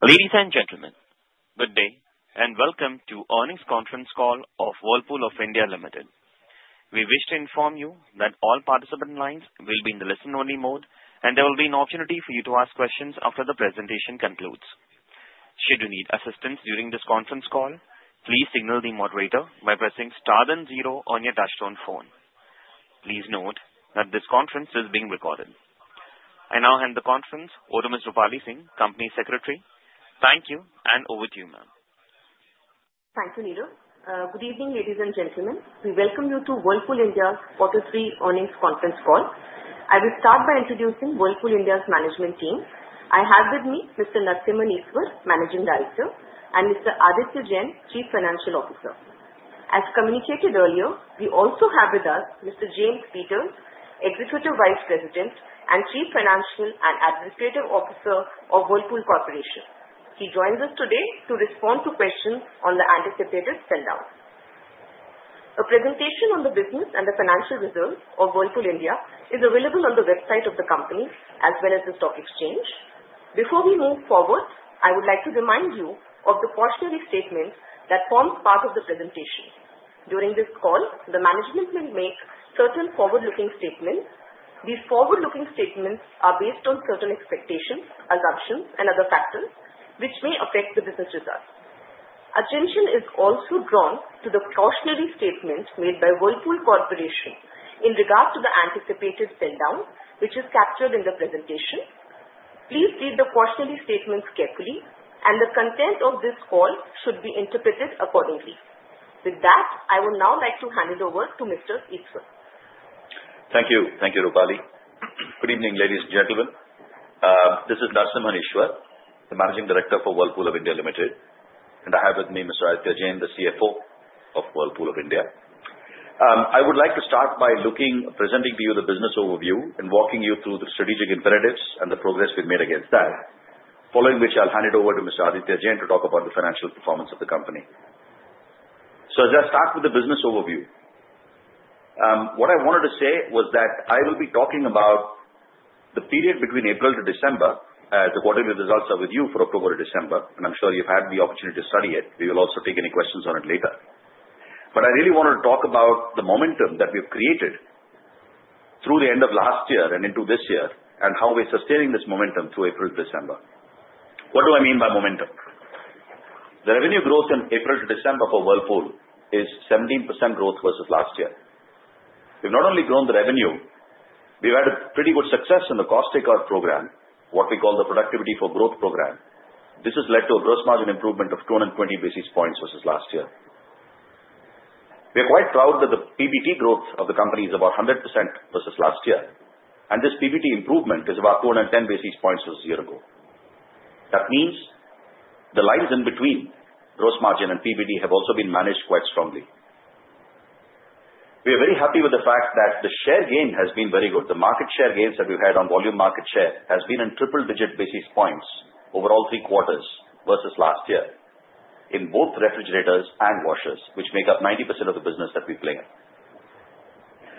Ladies and gentlemen, good day and welcome to the earnings conference call of Whirlpool of India Ltd. We wish to inform you that all participant lines will be in the listen-only mode, and there will be an opportunity for you to ask questions after the presentation concludes. Should you need assistance during this conference call, please signal the moderator by pressing star then zero on your touch-tone phone. Please note that this conference is being recorded. I now hand the conference over to Ms. Roopali Singh, Company Secretary. Thank you, and over to you, ma'am. Thank you, Neeru. Good evening, ladies and gentlemen. We welcome you to Whirlpool India's quarter three earnings conference call. I will start by introducing Whirlpool India's management team. I have with me Mr. Narasimhan Eswar, Managing Director, and Mr. Aditya Jain, Chief Financial Officer. As communicated earlier, we also have with us Mr. James Peters, Executive Vice President and Chief Financial and Administrative Officer of Whirlpool Corporation. He joins us today to respond to questions on the anticipated sell-down. A presentation on the business and the financial results of Whirlpool India is available on the website of the company, as well as the stock exchange. Before we move forward, I would like to remind you of the cautionary statement that forms part of the presentation. During this call, the management will make certain forward-looking statements. These forward-looking statements are based on certain expectations, assumptions, and other factors which may affect the business results. Attention is also drawn to the cautionary statement made by Whirlpool Corporation in regard to the anticipated sell-down, which is captured in the presentation. Please read the cautionary statements carefully, and the content of this call should be interpreted accordingly. With that, I would now like to hand it over to Mr. Eswar. Thank you. Thank you, Roopali. Good evening, ladies and gentlemen. This is Narasimhan Eswar, the Managing Director for Whirlpool of India Ltd, and I have with me Mr. Aditya Jain, the CFO of Whirlpool of India. I would like to start by presenting to you the business overview and walking you through the strategic imperatives and the progress we've made against that, following which I'll hand it over to Mr. Aditya Jain to talk about the financial performance of the company. So I'll just start with the business overview. What I wanted to say was that I will be talking about the period between April to December as the quarterly results are with you for October to December, and I'm sure you've had the opportunity to study it. We will also take any questions on it later. But I really wanted to talk about the momentum that we've created through the end of last year and into this year, and how we're sustaining this momentum through April to December. What do I mean by momentum? The revenue growth in April to December for Whirlpool is 17% growth versus last year. We've not only grown the revenue; we've had pretty good success in the cost takeout program, what we call the Productivity for Growth program. This has led to a gross margin improvement of 220 basis points versus last year. We're quite proud that the PBT growth of the company is about 100% versus last year, and this PBT improvement is about 210 basis points versus a year ago. That means the lines in between gross margin and PBT have also been managed quite strongly. We're very happy with the fact that the share gain has been very good. The market share gains that we've had on volume market share have been in triple-digit basis points over all three quarters versus last year in both refrigerators and washers, which make up 90% of the business that we're playing.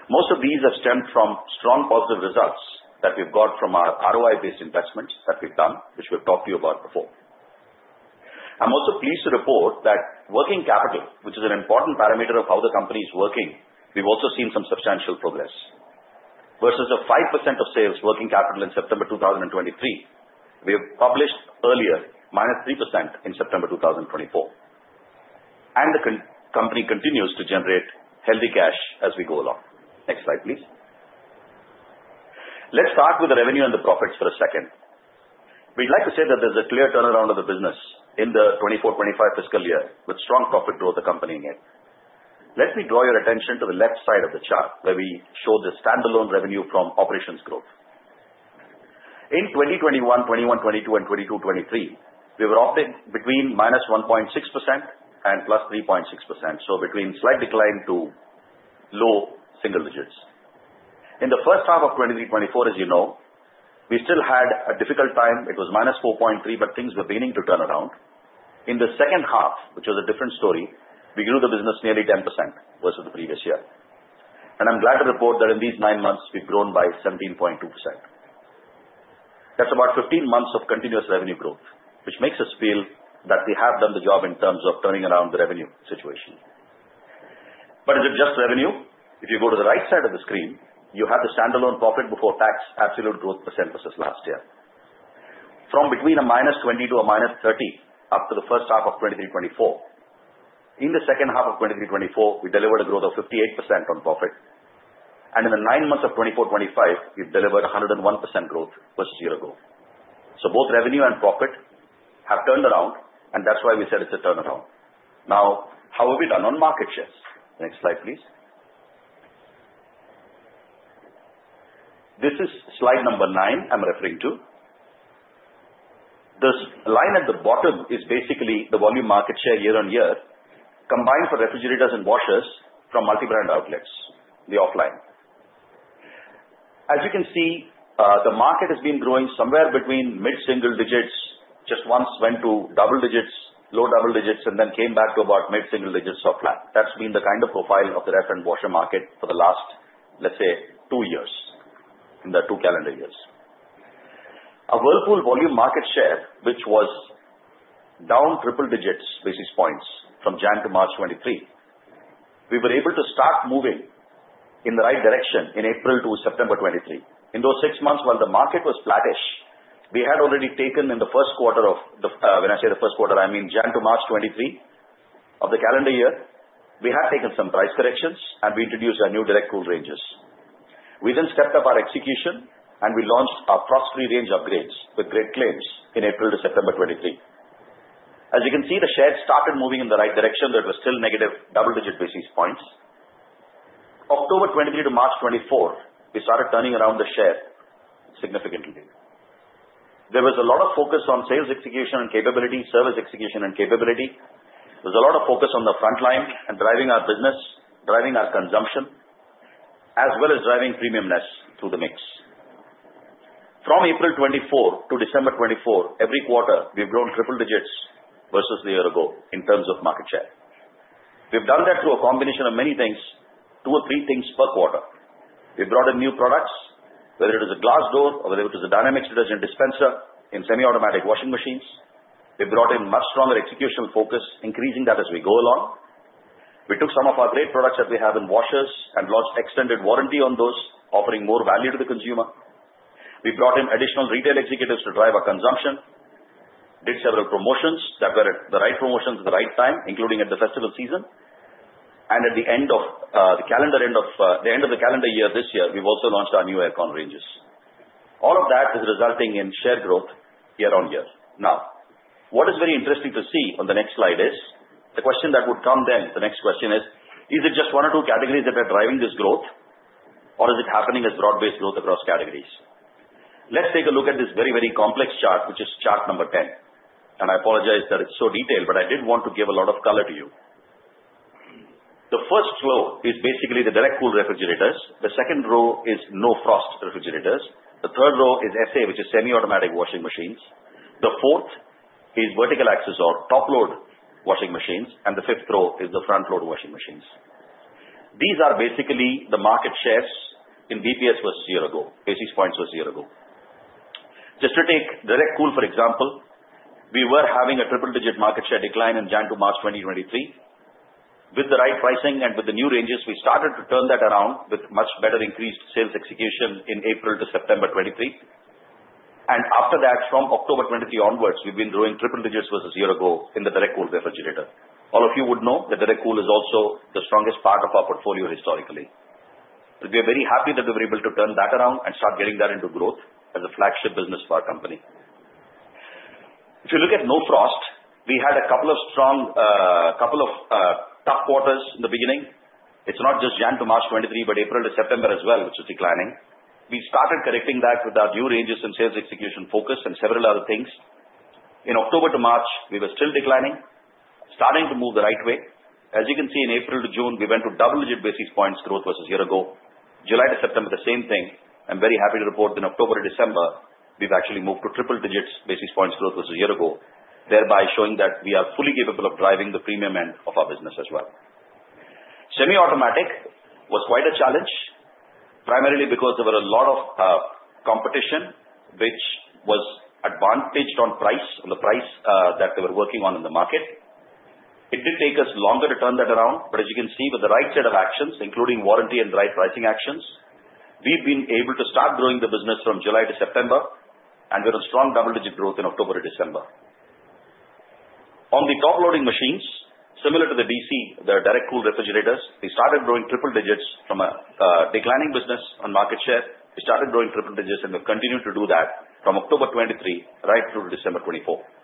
Most of these have stemmed from strong positive results that we've got from our ROI-based investments that we've talked to you about before. I'm also pleased to report that working capital, which is an important parameter of how the company is working, we've also seen some substantial progress. Versus the 5% of sales working capital in September 2023, we have published earlier minus 3% in September 2024, and the company continues to generate healthy cash as we go along. Next slide, please. Let's start with the revenue and the profits for a second. We'd like to say that there's a clear turnaround of the business in the 2024, 2025 fiscal year with strong profit growth accompanying it. Let me draw your attention to the left side of the chart where we show the standalone revenue from operations growth. In 2021, 2022, and 2022, we were operating between +1.6% and +3.6%, so between slight decline to low single digits. In the first half of 2023, 2024, as you know, we still had a difficult time. It was -4.3%, but things were beginning to turn around. In the second half, which was a different story, we grew the business nearly 10% versus the previous year. And I'm glad to report that in these nine months, we've grown by 17.2%. That's about 15 months of continuous revenue growth, which makes us feel that we have done the job in terms of turning around the revenue situation. But is it just revenue? If you go to the right side of the screen, you have the standalone profit before tax absolute growth percent versus last year. From between -20% to -30% after the first half of 2024, in the second half of 2024, we delivered a growth of 58% on profit, and in the nine months of 2024, 2025, we've delivered 101% growth versus a year ago. So both revenue and profit have turned around, and that's why we said it's a turnaround. Now, how have we done on market shares? Next slide, please. This is slide number nine I'm referring to. This line at the bottom is basically the volume market share year-on-year combined for refrigerators and washers from multi-brand outlets, the offline. As you can see, the market has been growing somewhere between mid-single digits, just once went to double digits, low double digits, and then came back to about mid-single digits offline. That's been the kind of profile of the ref and washer market for the last, let's say, two years in the two calendar years. Our Whirlpool volume market share, which was down triple-digit basis points from January to March 2023, we were able to start moving in the right direction in April to September 2023. In those six months, while the market was flattish, we had already taken in the first quarter of the, when I say the first quarter, I mean January to March 2023 of the calendar year, we had taken some price corrections, and we introduced our new direct cool ranges. We then stepped up our execution, and we launched our cost-free range upgrades with great claims in April to September 2023. As you can see, the share started moving in the right direction, but it was still negative double-digit basis points. October 2023 to March 2024, we started turning around the share significantly. There was a lot of focus on sales execution and capability, service execution and capability. There was a lot of focus on the front line and driving our business, driving our consumption, as well as driving premiumness through the mix. From April 2024 to December 2024, every quarter, we've grown triple digits versus the year ago in terms of market share. We've done that through a combination of many things, two or three things per quarter. We've brought in new products, whether it is a glass door or whether it is a dynamic detergent dispenser in Semi-Automatic washing machines. We've brought in much stronger executional focus, increasing that as we go along. We took some of our great products that we have in washers and launched extended warranty on those, offering more value to the consumer. We brought in additional retail executives to drive our consumption, did several promotions that were the right promotions at the right time, including at the festival season, and at the end of the calendar year this year, we've also launched our new aircon ranges. All of that is resulting in share growth year-on-year. Now, what is very interesting to see on the next slide is the question that would come then. The next question is, is it just one or two categories that are driving this growth, or is it happening as broad-based growth across categories? Let's take a look at this very, very complex chart, which is chart number 10, and I apologize that it's so detailed, but I did want to give a lot of color to you. The first row is basically the Direct Cool refrigerators. The second row is No Frost refrigerators. The third row is SA, which is Semi-Automatic washing machines. The fourth is vertical axis or top-load washing machines, and the fifth row is the Front-Load washing machines. These are basically the market shares in basis points versus year ago, basis points versus year ago. Just to take Direct Cool, for example, we were having a triple-digit market share decline in January to March 2023. With the right pricing and with the new ranges, we started to turn that around with much better increased sales execution in April to September 2023. And after that, from October 2023 onwards, we've been growing triple digits versus year ago in the Direct Cool refrigerator. All of you would know that Direct Cool is also the strongest part of our portfolio historically. We're very happy that we were able to turn that around and start getting that into growth as a flagship business for our company. If you look at No Frost, we had a couple of strong, a couple of tough quarters in the beginning. It's not just January to March 2023, but April to September as well, which is declining. We started correcting that with our new ranges and sales execution focus and several other things. In October to March, we were still declining, starting to move the right way. As you can see, in April to June, we went to double-digit basis points growth versus year ago. July to September, the same thing. I'm very happy to report that in October to December, we've actually moved to triple-digit basis points growth versus year ago, thereby showing that we are fully capable of driving the premium end of our business as well. Semi-automatic was quite a challenge, primarily because there was a lot of competition, which was advantaged on price, on the price that they were working on in the market. It did take us longer to turn that around, but as you can see, with the right set of actions, including warranty and the right pricing actions, we've been able to start growing the business from July to September, and we had a strong double-digit growth in October to December. On the top-loading machines, similar to the DC, the Direct Cool refrigerators, we started growing triple digits from a declining business on market share. We started growing triple digits, and we've continued to do that from October 2023 right through to December 2024.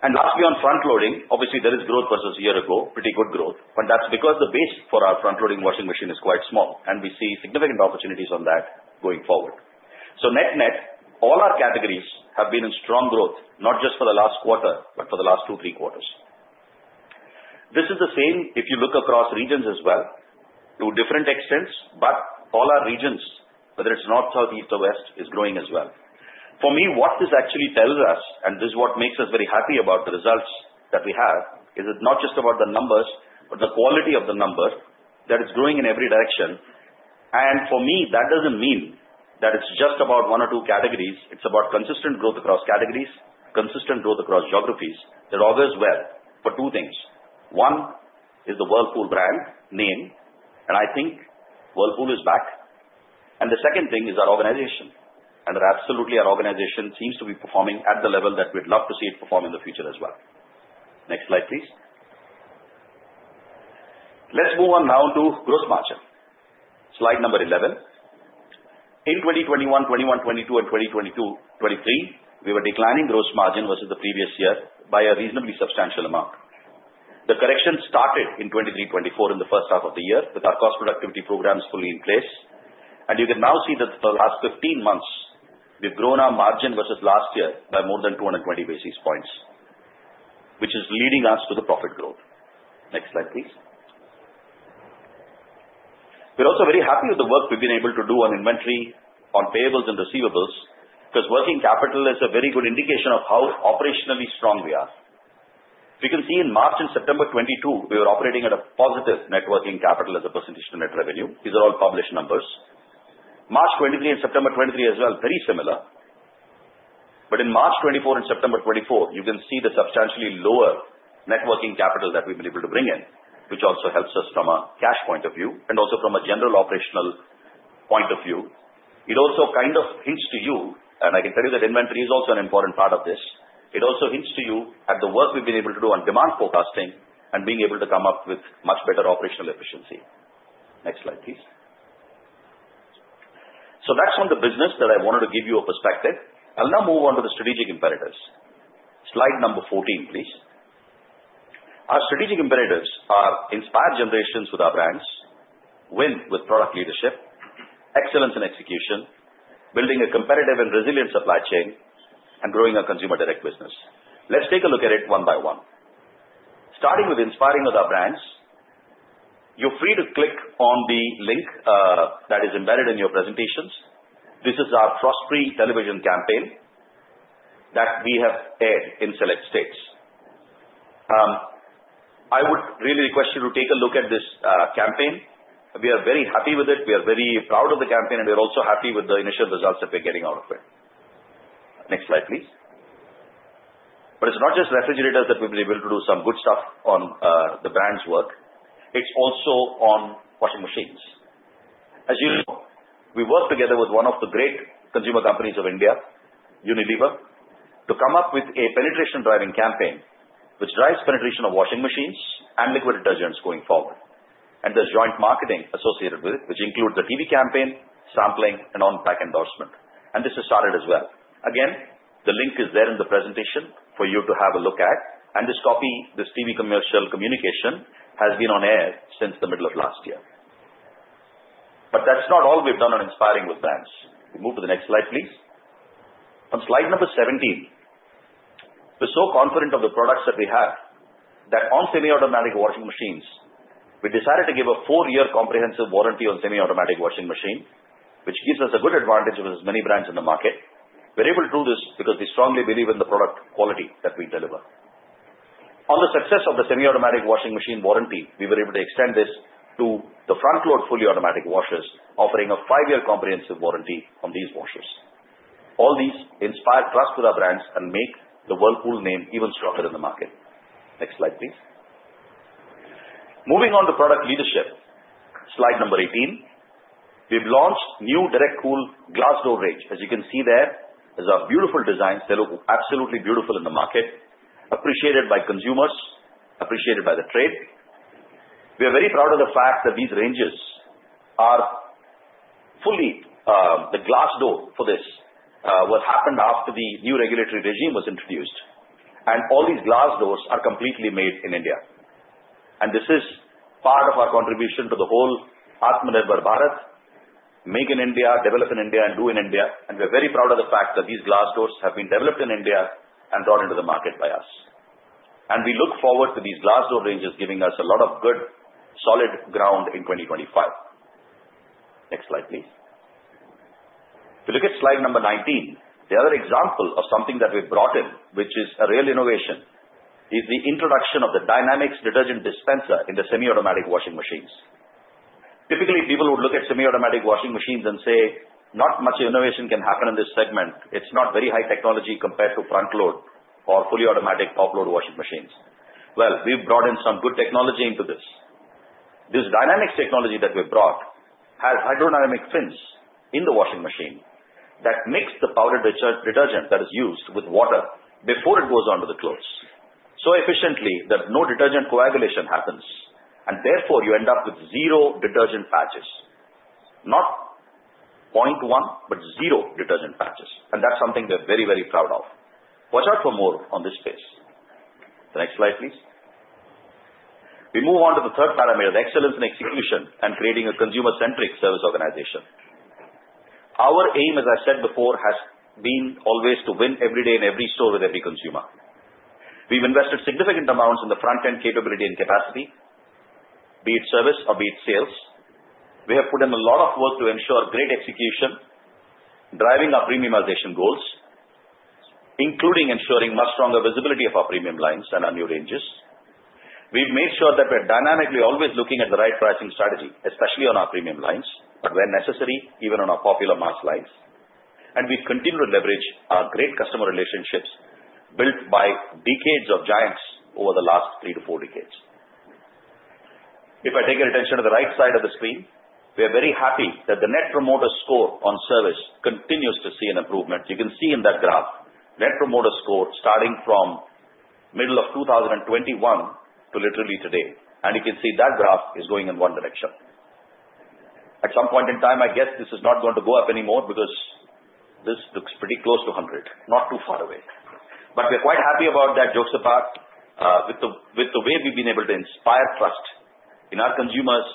And lastly, on Front-Loading, obviously, there is growth versus year ago, pretty good growth, but that's because the base for our Front-Loading washing machine is quite small, and we see significant opportunities on that going forward. So net-net, all our categories have been in strong growth, not just for the last quarter, but for the last two, three quarters. This is the same if you look across regions as well to different extents, but all our regions, whether it's north, south, east, or west, is growing as well. For me, what this actually tells us, and this is what makes us very happy about the results that we have, is it's not just about the numbers, but the quality of the numbers that it's growing in every direction. And for me, that doesn't mean that it's just about one or two categories. It's about consistent growth across categories, consistent growth across geographies. It augurs well for two things. One is the Whirlpool brand name, and I think Whirlpool is back. And the second thing is our organization. Absolutely, our organization seems to be performing at the level that we'd love to see it perform in the future as well. Next slide, please. Let's move on now to gross margin, slide number 11. In 2021, 2021, 2022, and 2023, we were declining gross margin versus the previous year by a reasonably substantial amount. The correction started in 2023, 2024 in the first half of the year with our cost productivity programs fully in place. You can now see that for the last 15 months, we've grown our margin versus last year by more than 220 basis points, which is leading us to the profit growth. Next slide, please. We're also very happy with the work we've been able to do on inventory, on payables, and receivables because working capital is a very good indication of how operationally strong we are. You can see in March and September 2022, we were operating at a positive net working capital as a percentage to net revenue. These are all published numbers. March 2023 and September 2023 as well, very similar. But in March 2024 and September 2024, you can see the substantially lower net working capital that we've been able to bring in, which also helps us from a cash point of view and also from a general operational point of view. It also kind of hints to you, and I can tell you that inventory is also an important part of this. It also hints to you at the work we've been able to do on demand forecasting and being able to come up with much better operational efficiency. Next slide, please. So that's on the business that I wanted to give you a perspective. I'll now move on to the strategic imperatives. Slide number 14, please. Our strategic imperatives are inspire generations with our brands, win with product leadership, excellence in execution, building a competitive and resilient supply chain, and growing our Consumer Direct business. Let's take a look at it one by one. Starting with inspiring with our brands, you're free to click on the link that is embedded in your presentations. This is our frost-free television campaign that we have aired in select states. I would really request you to take a look at this campaign. We are very happy with it. We are very proud of the campaign, and we're also happy with the initial results that we're getting out of it. Next slide, please. But it's not just refrigerators that we've been able to do some good stuff on the brand's work. It's also on washing machines. As you know, we worked together with one of the great consumer companies of India, Unilever, to come up with a penetration-driving campaign which drives penetration of washing machines and liquid detergents going forward. And there's joint marketing associated with it, which includes a TV campaign, sampling, and on-pack endorsement. And this has started as well. Again, the link is there in the presentation for you to have a look at. And this TV commercial communication has been on air since the middle of last year. But that's not all we've done on inspiring with brands. We move to the next slide, please. On slide number 17, we're so confident of the products that we have that on Semi-Automatic washing machines, we decided to give a four-year comprehensive warranty on semi-automatic washing machine, which gives us a good advantage versus many brands in the market. We're able to do this because we strongly believe in the product quality that we deliver. On the success of the semi-automatic washing machine warranty, we were able to extend this to the Front-Load fully automatic washers, offering a five-year comprehensive warranty on these washers. All these inspire trust with our brands and make the Whirlpool name even stronger in the market. Next slide, please. Moving on to product leadership, slide number 18, we've launched new Direct Cool glass door range. As you can see there, it's a beautiful design. They look absolutely beautiful in the market, appreciated by consumers, appreciated by the trade. We are very proud of the fact that these ranges are fully the glass door for this, what happened after the new regulatory regime was introduced. And all these glass doors are completely made in India. This is part of our contribution to the whole Atmanirbhar Bharat, make in India, develop in India, and do in India. We're very proud of the fact that these glass doors have been developed in India and brought into the market by us. We look forward to these glass door ranges giving us a lot of good solid ground in 2025. Next slide, please. If you look at slide number 19, the other example of something that we've brought in, which is a real innovation, is the introduction of the Dynamic Detergent Dispenser in the Semi-Automatic washing machines. Typically, people would look at Semi-Automatic washing machines and say, "Not much innovation can happen in this segment. It's not very high technology compared to Front-Load or Fully Automatic Top-Load washing machines." We've brought in some good technology into this. This dynamic technology that we've brought has hydrodynamic fins in the washing machine that mix the powdered detergent that is used with water before it goes onto the clothes so efficiently that no detergent coagulation happens. And therefore, you end up with zero detergent patches, not 0.1, but zero detergent patches. And that's something we're very, very proud of. Watch out for more on this space. The next slide, please. We move on to the third parameter, the excellence in execution and creating a consumer-centric service organization. Our aim, as I've said before, has been always to win every day in every store with every consumer. We've invested significant amounts in the front-end capability and capacity, be it service or be it sales. We have put in a lot of work to ensure great execution, driving our premiumization goals, including ensuring much stronger visibility of our premium lines and our new ranges. We've made sure that we're dynamically always looking at the right pricing strategy, especially on our premium lines, but when necessary, even on our popular mass lines. And we continue to leverage our great customer relationships built by decades of giants over the last three to four decades. If I take your attention to the right side of the screen, we're very happy that the Net Promoter Score on service continues to see an improvement. You can see in that graph Net Promoter Score starting from middle of 2021 to literally today. And you can see that graph is going in one direction. At some point in time, I guess this is not going to go up anymore because this looks pretty close to 100, not too far away, but we're quite happy about that, jokes apart, with the way we've been able to inspire trust in our consumers,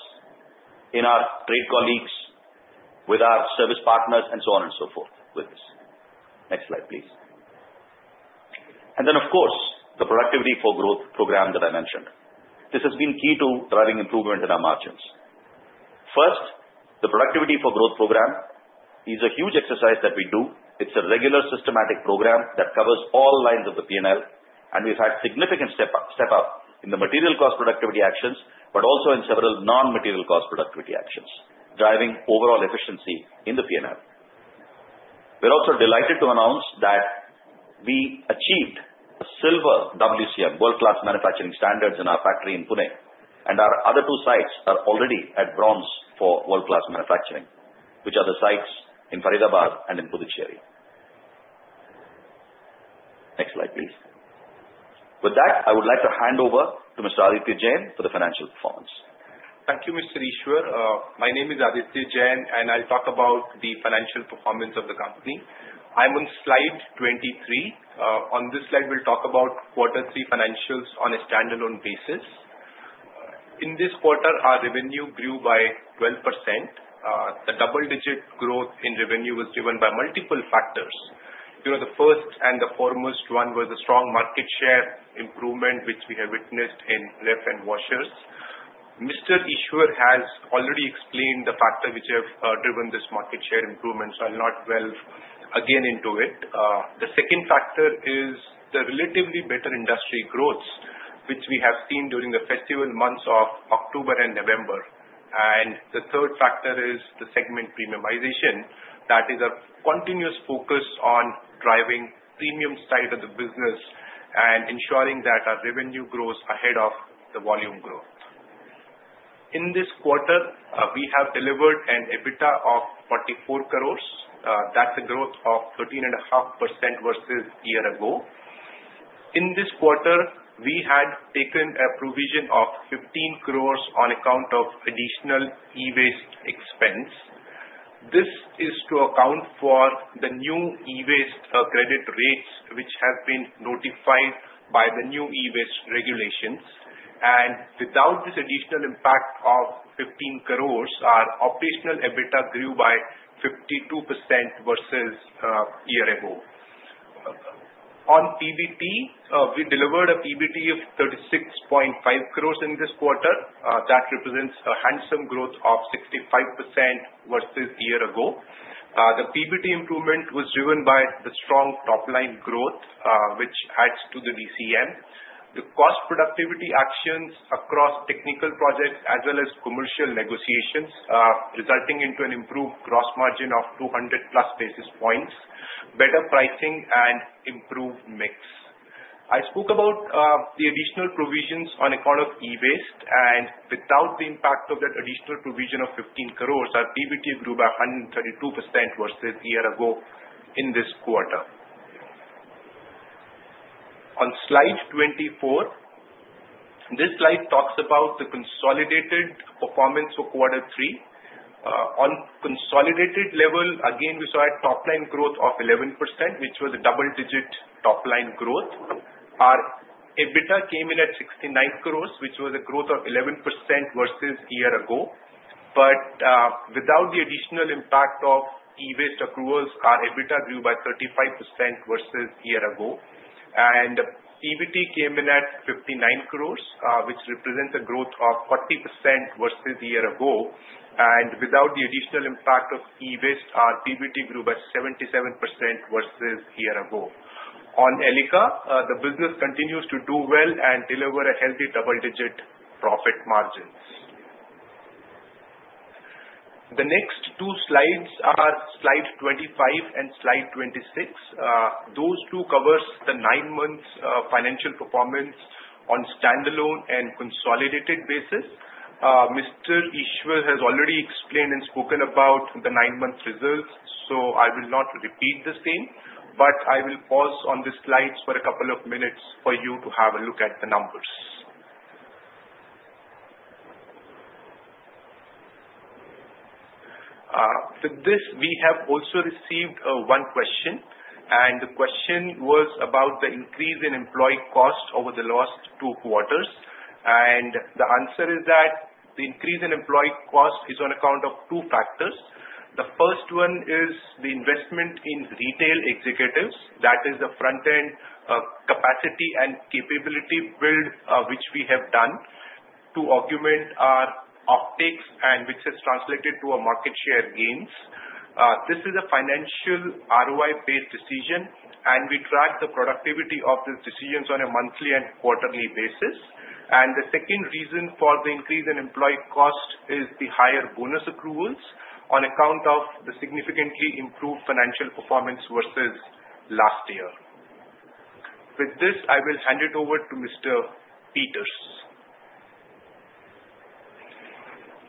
in our trade colleagues, with our service partners, and so on and so forth with this. Next slide, please, and then, of course, the Productivity for Growth program that I mentioned. This has been key to driving improvement in our margins. First, the Productivity for Growth program is a huge exercise that we do. It's a regular systematic program that covers all lines of the P&L, and we've had significant step-up in the material cost productivity actions, but also in several non-material cost productivity actions, driving overall efficiency in the P&L. We're also delighted to announce that we achieved silver WCM, World-Class Manufacturing standards in our factory in Pune. And our other two sites are already at bronze for World-Class Manufacturing, which are the sites in Faridabad and in Puducherry. Next slide, please. With that, I would like to hand over to Mr. Aditya Jain for the financial performance. Thank you, Mr. Eswar. My name is Aditya Jain, and I'll talk about the financial performance of the company. I'm on slide 23. On this slide, we'll talk about quarter three financials on a standalone basis. In this quarter, our revenue grew by 12%. The double-digit growth in revenue was driven by multiple factors. The first and the foremost one was the strong market share improvement, which we have witnessed in ref and washers. Mr. Eswar has already explained the factor which have driven this market share improvement, so I'll not delve again into it. The second factor is the relatively better industry growth, which we have seen during the festival months of October and November. The third factor is the segment premiumization. That is a continuous focus on driving premium side of the business and ensuring that our revenue grows ahead of the volume growth. In this quarter, we have delivered an EBITDA of 44 crores. That's a growth of 13.5% versus a year ago. In this quarter, we had taken a provision of 15 crores on account of additional e-waste expense. This is to account for the new e-waste credit rates, which have been notified by the new e-waste regulations. Without this additional impact of 15 crores, our operational EBITDA grew by 52% versus a year ago. On PBT, we delivered a PBT of 36.5 crores in this quarter. That represents a handsome growth of 65% versus a year ago. The PBT improvement was driven by the strong top-line growth, which adds to the DCM. The cost productivity actions across technical projects as well as commercial negotiations resulting into an improved gross margin of 200+ basis points, better pricing, and improved mix. I spoke about the additional provisions on account of e-waste. And without the impact of that additional provision of 15 crores, our PBT grew by 132% versus a year ago in this quarter. On slide 24, this slide talks about the consolidated performance for quarter three. On consolidated level, again, we saw a top-line growth of 11%, which was a double-digit top-line growth. Our EBITDA came in at 69 crores, which was a growth of 11% versus a year ago but without the additional impact of e-waste accruals, our EBITDA grew by 35% versus a year ago. And PBT came in at 59 crores, which represents a growth of 40% versus a year ago. And without the additional impact of e-waste, our PBT grew by 77% versus a year ago. On Elica, the business continues to do well and deliver a healthy double-digit profit margins. The next two slides are slide 25 and slide 26. Those two cover the nine-month financial performance on standalone and consolidated basis. Mr. Eswar has already explained and spoken about the nine-month results, so I will not repeat the same. but I will pause on the slides for a couple of minutes for you to have a look at the numbers. With this, we have also received one question. And the question was about the increase in employee cost over the last two quarters. And the answer is that the increase in employee cost is on account of two factors. The first one is the investment in retail executives. That is the front-end capacity and capability build which we have done to augment our uptakes, and which has translated to our market share gains. This is a financial ROI-based decision, and we track the productivity of these decisions on a monthly and quarterly basis. And the second reason for the increase in employee cost is the higher bonus accruals on account of the significantly improved financial performance versus last year. With this, I will hand it over to Mr. Peters.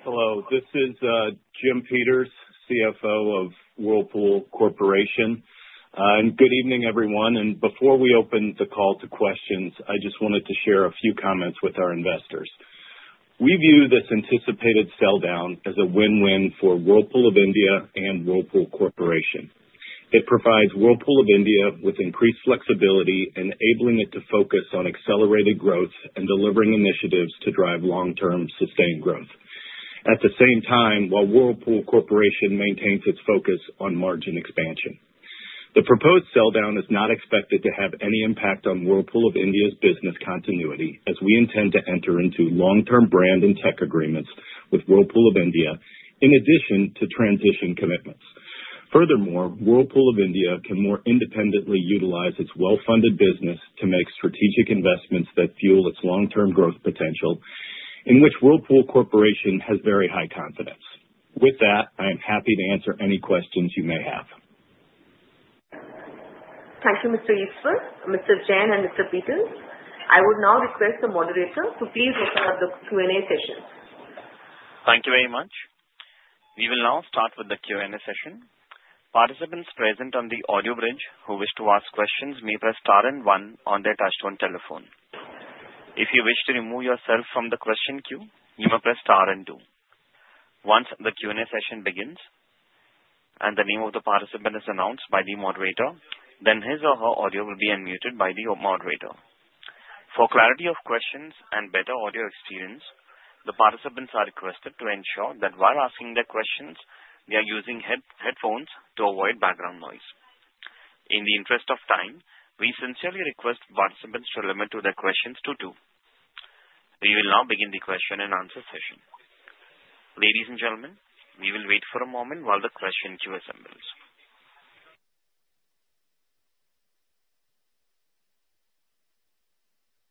Hello. This is Jim Peters, CFO of Whirlpool Corporation. And good evening, everyone. And before we open the call to questions, I just wanted to share a few comments with our investors. We view this anticipated sell-down as a win-win for Whirlpool of India and Whirlpool Corporation. It provides Whirlpool of India with increased flexibility, enabling it to focus on accelerated growth and delivering initiatives to drive long-term sustained growth. At the same time, while Whirlpool Corporation maintains its focus on margin expansion, the proposed sell-down is not expected to have any impact on Whirlpool of India's business continuity, as we intend to enter into long-term brand and tech agreements with Whirlpool of India, in addition to transition commitments. Furthermore, Whirlpool of India can more independently utilize its well-funded business to make strategic investments that fuel its long-term growth potential, in which Whirlpool Corporation has very high confidence. With that, I am happy to answer any questions you may have. Thank you, Mr. Eswar, Mr. Jain, and Mr. Peters. I would now request the moderator to please open up the Q&A session. Thank you very much. We will now start with the Q&A session. Participants present on the audio bridge who wish to ask questions may press star and one on their touch-tone telephone. If you wish to remove yourself from the question queue, you may press star and two. Once the Q&A session begins and the name of the participant is announced by the moderator, then his or her audio will be unmuted by the moderator. For clarity of questions and better audio experience, the participants are requested to ensure that while asking their questions, they are using headphones to avoid background noise. In the interest of time, we sincerely request participants to limit their questions to two. We will now begin the question and answer session. Ladies and gentlemen, we will wait for a moment while the question queue assembles.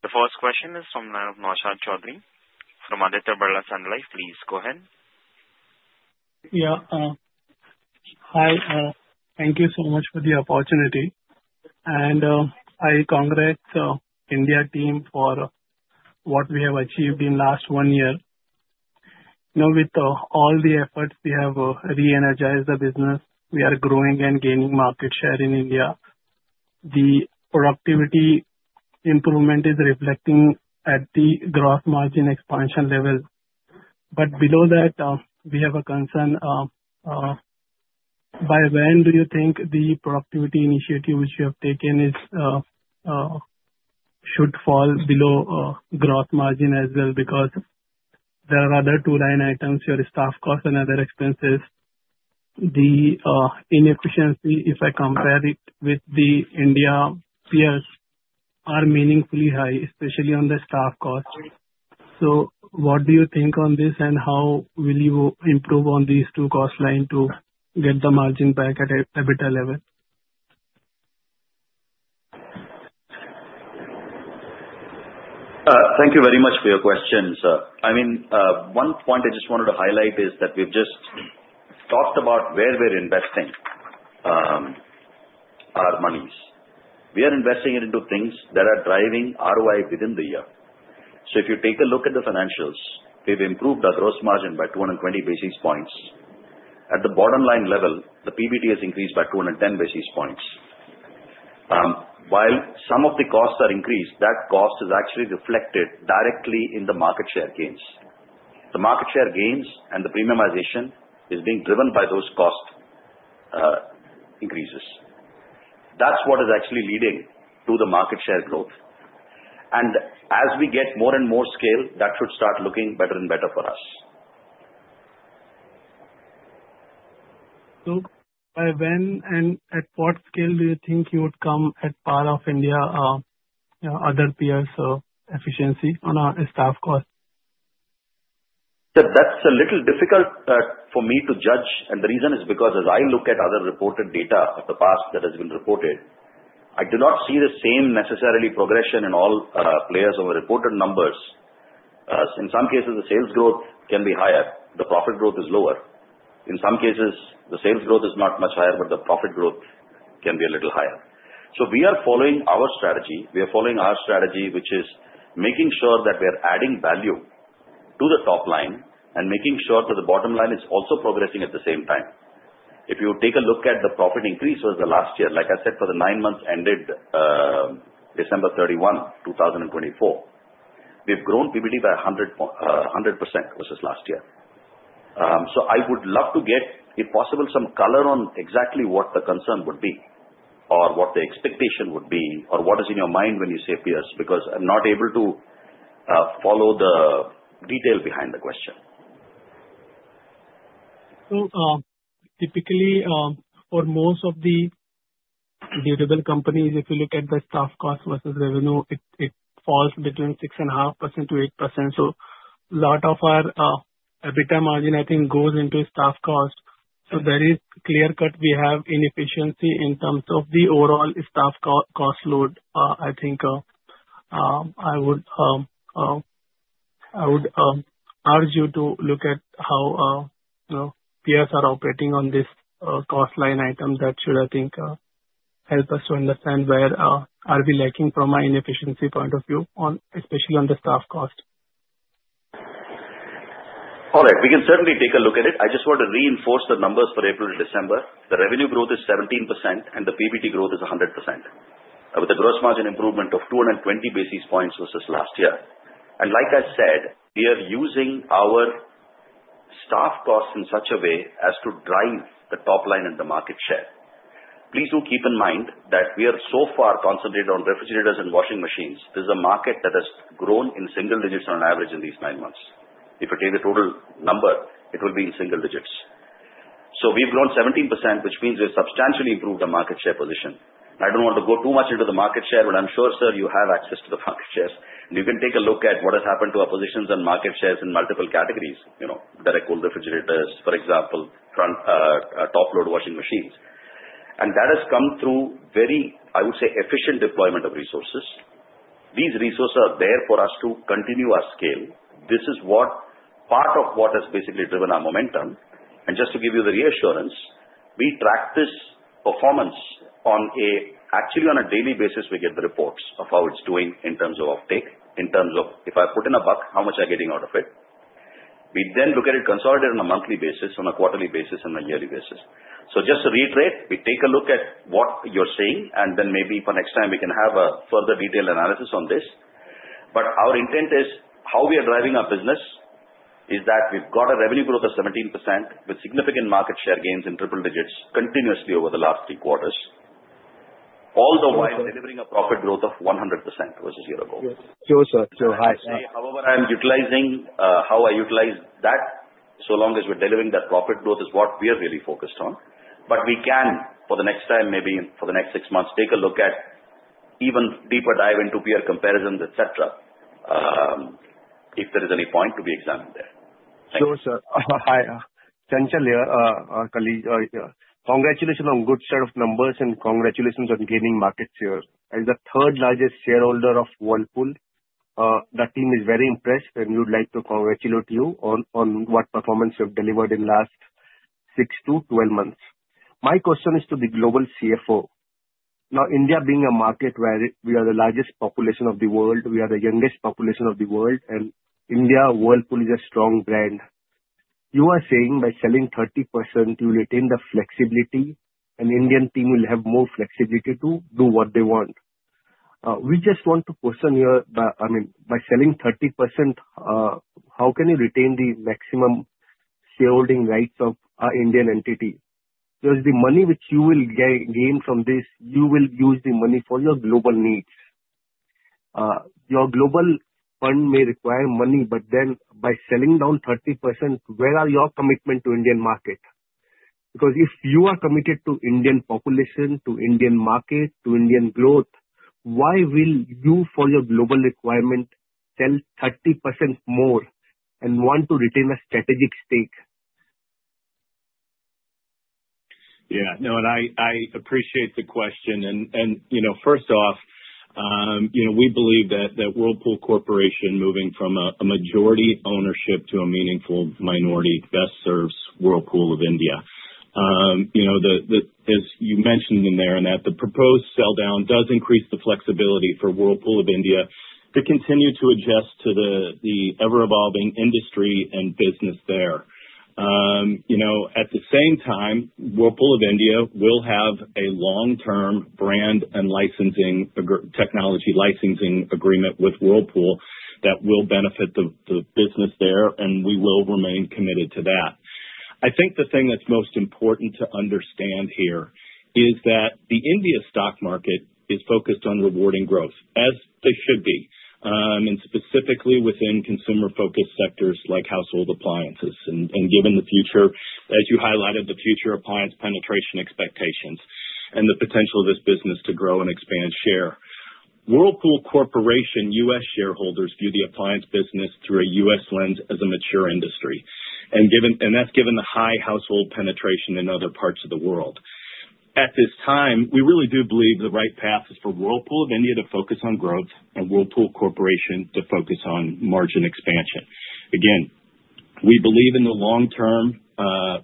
The first question is from Naushad Chaudhary from Aditya Birla Sun Life. Please go ahead. Yeah. Hi. Thank you so much for the opportunity. And I congratulate the India team for what we have achieved in the last one year. With all the efforts, we have re-energized the business. We are growing and gaining market share in India. The productivity improvement is reflecting at the gross margin expansion level. But below that, we have a concern. By when do you think the productivity initiative which you have taken should fall below gross margin as well? Because there are other two line items, your staff costs and other expenses. The inefficiency, if I compare it with the India peers, are meaningfully high, especially on the staff costs. So what do you think on this, and how will you improve on these two cost lines to get the margin back at a better level? Thank you very much for your questions. I mean, one point I just wanted to highlight is that we've just talked about where we're investing our money. We are investing it into things that are driving ROI within the year. So if you take a look at the financials, we've improved our gross margin by 220 basis points. At the bottom-line level, the PBT has increased by 210 basis points. While some of the costs are increased, that cost is actually reflected directly in the market share gains. The market share gains and the premiumization are being driven by those cost increases. That's what is actually leading to the market share growth. And as we get more and more scale, that should start looking better and better for us. So by when and at what scale do you think you would come at par of India's other peers' efficiency on staff cost? That's a little difficult for me to judge. And the reason is because, as I look at other reported data of the past that has been reported, I do not see the same necessarily progression in all players over reported numbers. In some cases, the sales growth can be higher. The profit growth is lower. In some cases, the sales growth is not much higher, but the profit growth can be a little higher. So we are following our strategy. We are following our strategy, which is making sure that we are adding value to the top line and making sure that the bottom line is also progressing at the same time. If you take a look at the profit increase over the last year, like I said, for the nine months ended December 31, 2024, we've grown PBT by 100% versus last year. So I would love to get, if possible, some color on exactly what the concern would be or what the expectation would be or what is in your mind when you say peers because I'm not able to follow the detail behind the question. So typically, for most of the durable companies, if you look at the staff cost versus revenue, it falls between 6.5%-8%. So a lot of our EBITDA margin, I think, goes into staff cost. There is clear-cut inefficiency in terms of the overall staff cost load. I think I would urge you to look at how peers are operating on this cost line item. That should, I think, help us to understand where we are lacking from an inefficiency point of view, especially on the staff cost. All right. We can certainly take a look at it. I just want to reinforce the numbers for April to December. The revenue growth is 17%, and the PBT growth is 100%, with a gross margin improvement of 220 basis points versus last year, and like I said, we are using our staff costs in such a way as to drive the top line and the market share. Please do keep in mind that we are so far concentrated on refrigerators and washing machines. This is a market that has grown in single digits on average in these nine months. If you take the total number, it will be in single digits. So we've grown 17%, which means we have substantially improved our market share position. I don't want to go too much into the market share, but I'm sure, sir, you have access to the market shares. And you can take a look at what has happened to our positions and market shares in multiple categories: Direct-Cooled refrigerators, for example, Top-Load washing machines. And that has come through very, I would say, efficient deployment of resources. These resources are there for us to continue our scale. This is part of what has basically driven our momentum. And just to give you the reassurance, we track this performance actually on a daily basis. We get the reports of how it's doing in terms of uptake, in terms of if I put in a buck, how much I'm getting out of it. We then look at it consolidated on a monthly basis, on a quarterly basis, and a yearly basis. So just to reiterate, we take a look at what you're saying, and then maybe for next time, we can have a further detailed analysis on this. But our intent is how we are driving our business is that we've got a revenue growth of 17% with significant market share gains in triple digits continuously over the last three quarters, all the while delivering a profit growth of 100% versus a year ago. Yes. True, sir. True. However, I am utilizing how I utilize that so long as we're delivering that profit growth is what we are really focused on. But we can, for the next time, maybe for the next six months, take a look at even deeper dive into peer comparisons, etc., if there is any point to be examined there. Thank you. Sure, sir. Hi. Chanchal here, colleague. Congratulations on a good set of numbers, and congratulations on gaining market share. As the third-largest shareholder of Whirlpool, the team is very impressed, and we would like to congratulate you on what performance you have delivered in the last six to 12 months. My question is to the global CFO. Now, India being a market where we are the largest population of the world, we are the youngest population of the world, and India Whirlpool is a strong brand, you are saying by selling 30%, you will attain the flexibility, and the Indian team will have more flexibility to do what they want. We just want to question here, I mean, by selling 30%, how can you retain the maximum shareholding rights of our Indian entity? Because the money which you will gain from this, you will use the money for your global needs. Your global fund may require money, but then by selling down 30%, where are your commitment to the Indian market? Because if you are committed to the Indian population, to the Indian market, to Indian growth, why will you, for your global requirement, sell 30% more and want to retain a strategic stake? Yeah. No, and I appreciate the question. And first off, we believe that Whirlpool Corporation moving from a majority ownership to a meaningful minority best serves Whirlpool of India. As you mentioned in there, the proposed sell-down does increase the flexibility for Whirlpool of India to continue to adjust to the ever-evolving industry and business there. At the same time, Whirlpool of India will have a long-term brand and technology licensing agreement with Whirlpool that will benefit the business there, and we will remain committed to that. I think the thing that's most important to understand here is that the India stock market is focused on rewarding growth, as they should be, and specifically within consumer-focused sectors like household appliances. And given the future, as you highlighted, the future appliance penetration expectations and the potential of this business to grow and expand share, Whirlpool Corporation U.S. shareholders view the appliance business through a U.S. lens as a mature industry. And that's given the high household penetration in other parts of the world. At this time, we really do believe the right path is for Whirlpool of India to focus on growth and Whirlpool Corporation to focus on margin expansion. Again, we believe in the long-term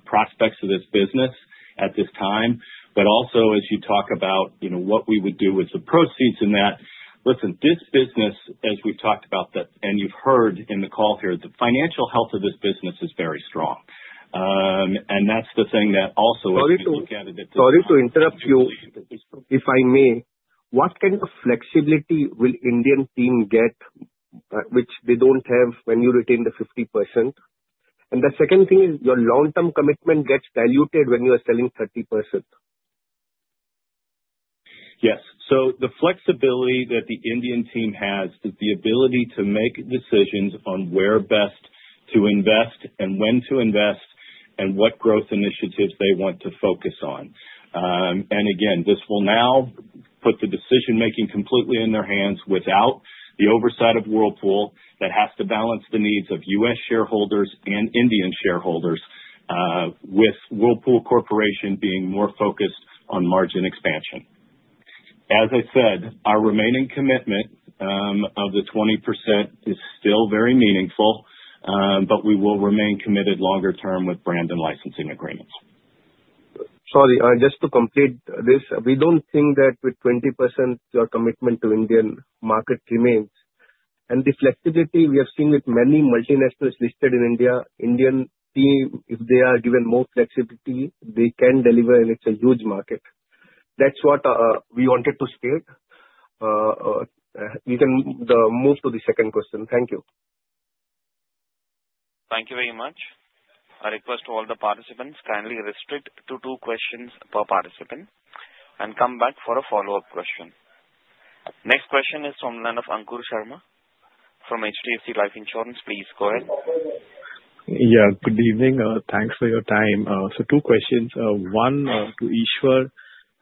prospects of this business at this time, but also, as you talk about what we would do with the proceeds in that. Listen, this business, as we've talked about, and you've heard in the call here, the financial health of this business is very strong. And that's the thing that also has been looked at at the time. Sorry to interrupt you, if I may. What kind of flexibility will the Indian team get, which they don't have when you retain the 50%? And the second thing is your long-term commitment gets diluted when you are selling 30%. Yes. So the flexibility that the Indian team has is the ability to make decisions on where best to invest and when to invest and what growth initiatives they want to focus on. And again, this will now put the decision-making completely in their hands without the oversight of Whirlpool that has to balance the needs of U.S. shareholders and Indian shareholders, with Whirlpool Corporation being more focused on margin expansion. As I said, our remaining commitment of the 20% is still very meaningful, but we will remain committed longer-term with brand and licensing agreements. Sorry, just to complete this, we don't think that with 20%, your commitment to the Indian market remains. The flexibility we have seen with many multinationals listed in India, Indian team, if they are given more flexibility, they can deliver, and it's a huge market. That's what we wanted to state. We can move to the second question. Thank you. Thank you very much. I request all the participants kindly restrict to two questions per participant and come back for a follow-up question. Next question is from the line of Ankur Sharma from HDFC Life Insurance. Please go ahead. Yeah. Good evening. Thanks for your time. So two questions. One to Eswar.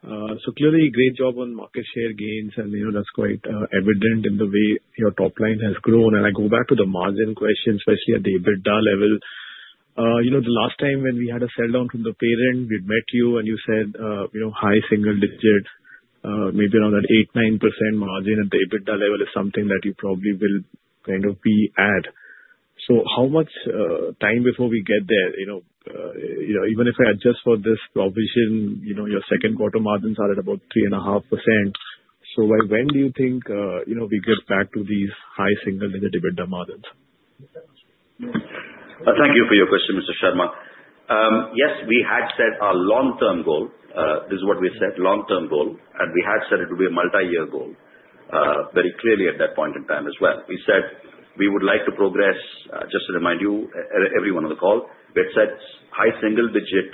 So clearly, great job on market share gains, and that's quite evident in the way your top line has grown. And I go back to the margin question, especially at the EBITDA level. The last time when we had a sell-down from the parent, we met you, and you said high single digits, maybe around that 8%, 9% margin at the EBITDA level is something that you probably will kind of be at. So how much time before we get there? Even if I adjust for this provision, your second quarter margins are at about 3.5%. So by when do you think we get back to these high single-digit EBITDA margins? Thank you for your question, Mr. Sharma. Yes, we had set our long-term goal. This is what we said, long-term goal. And we had said it would be a multi-year goal very clearly at that point in time as well. We said we would like to progress, just to remind you, everyone on the call, we had said high single-digit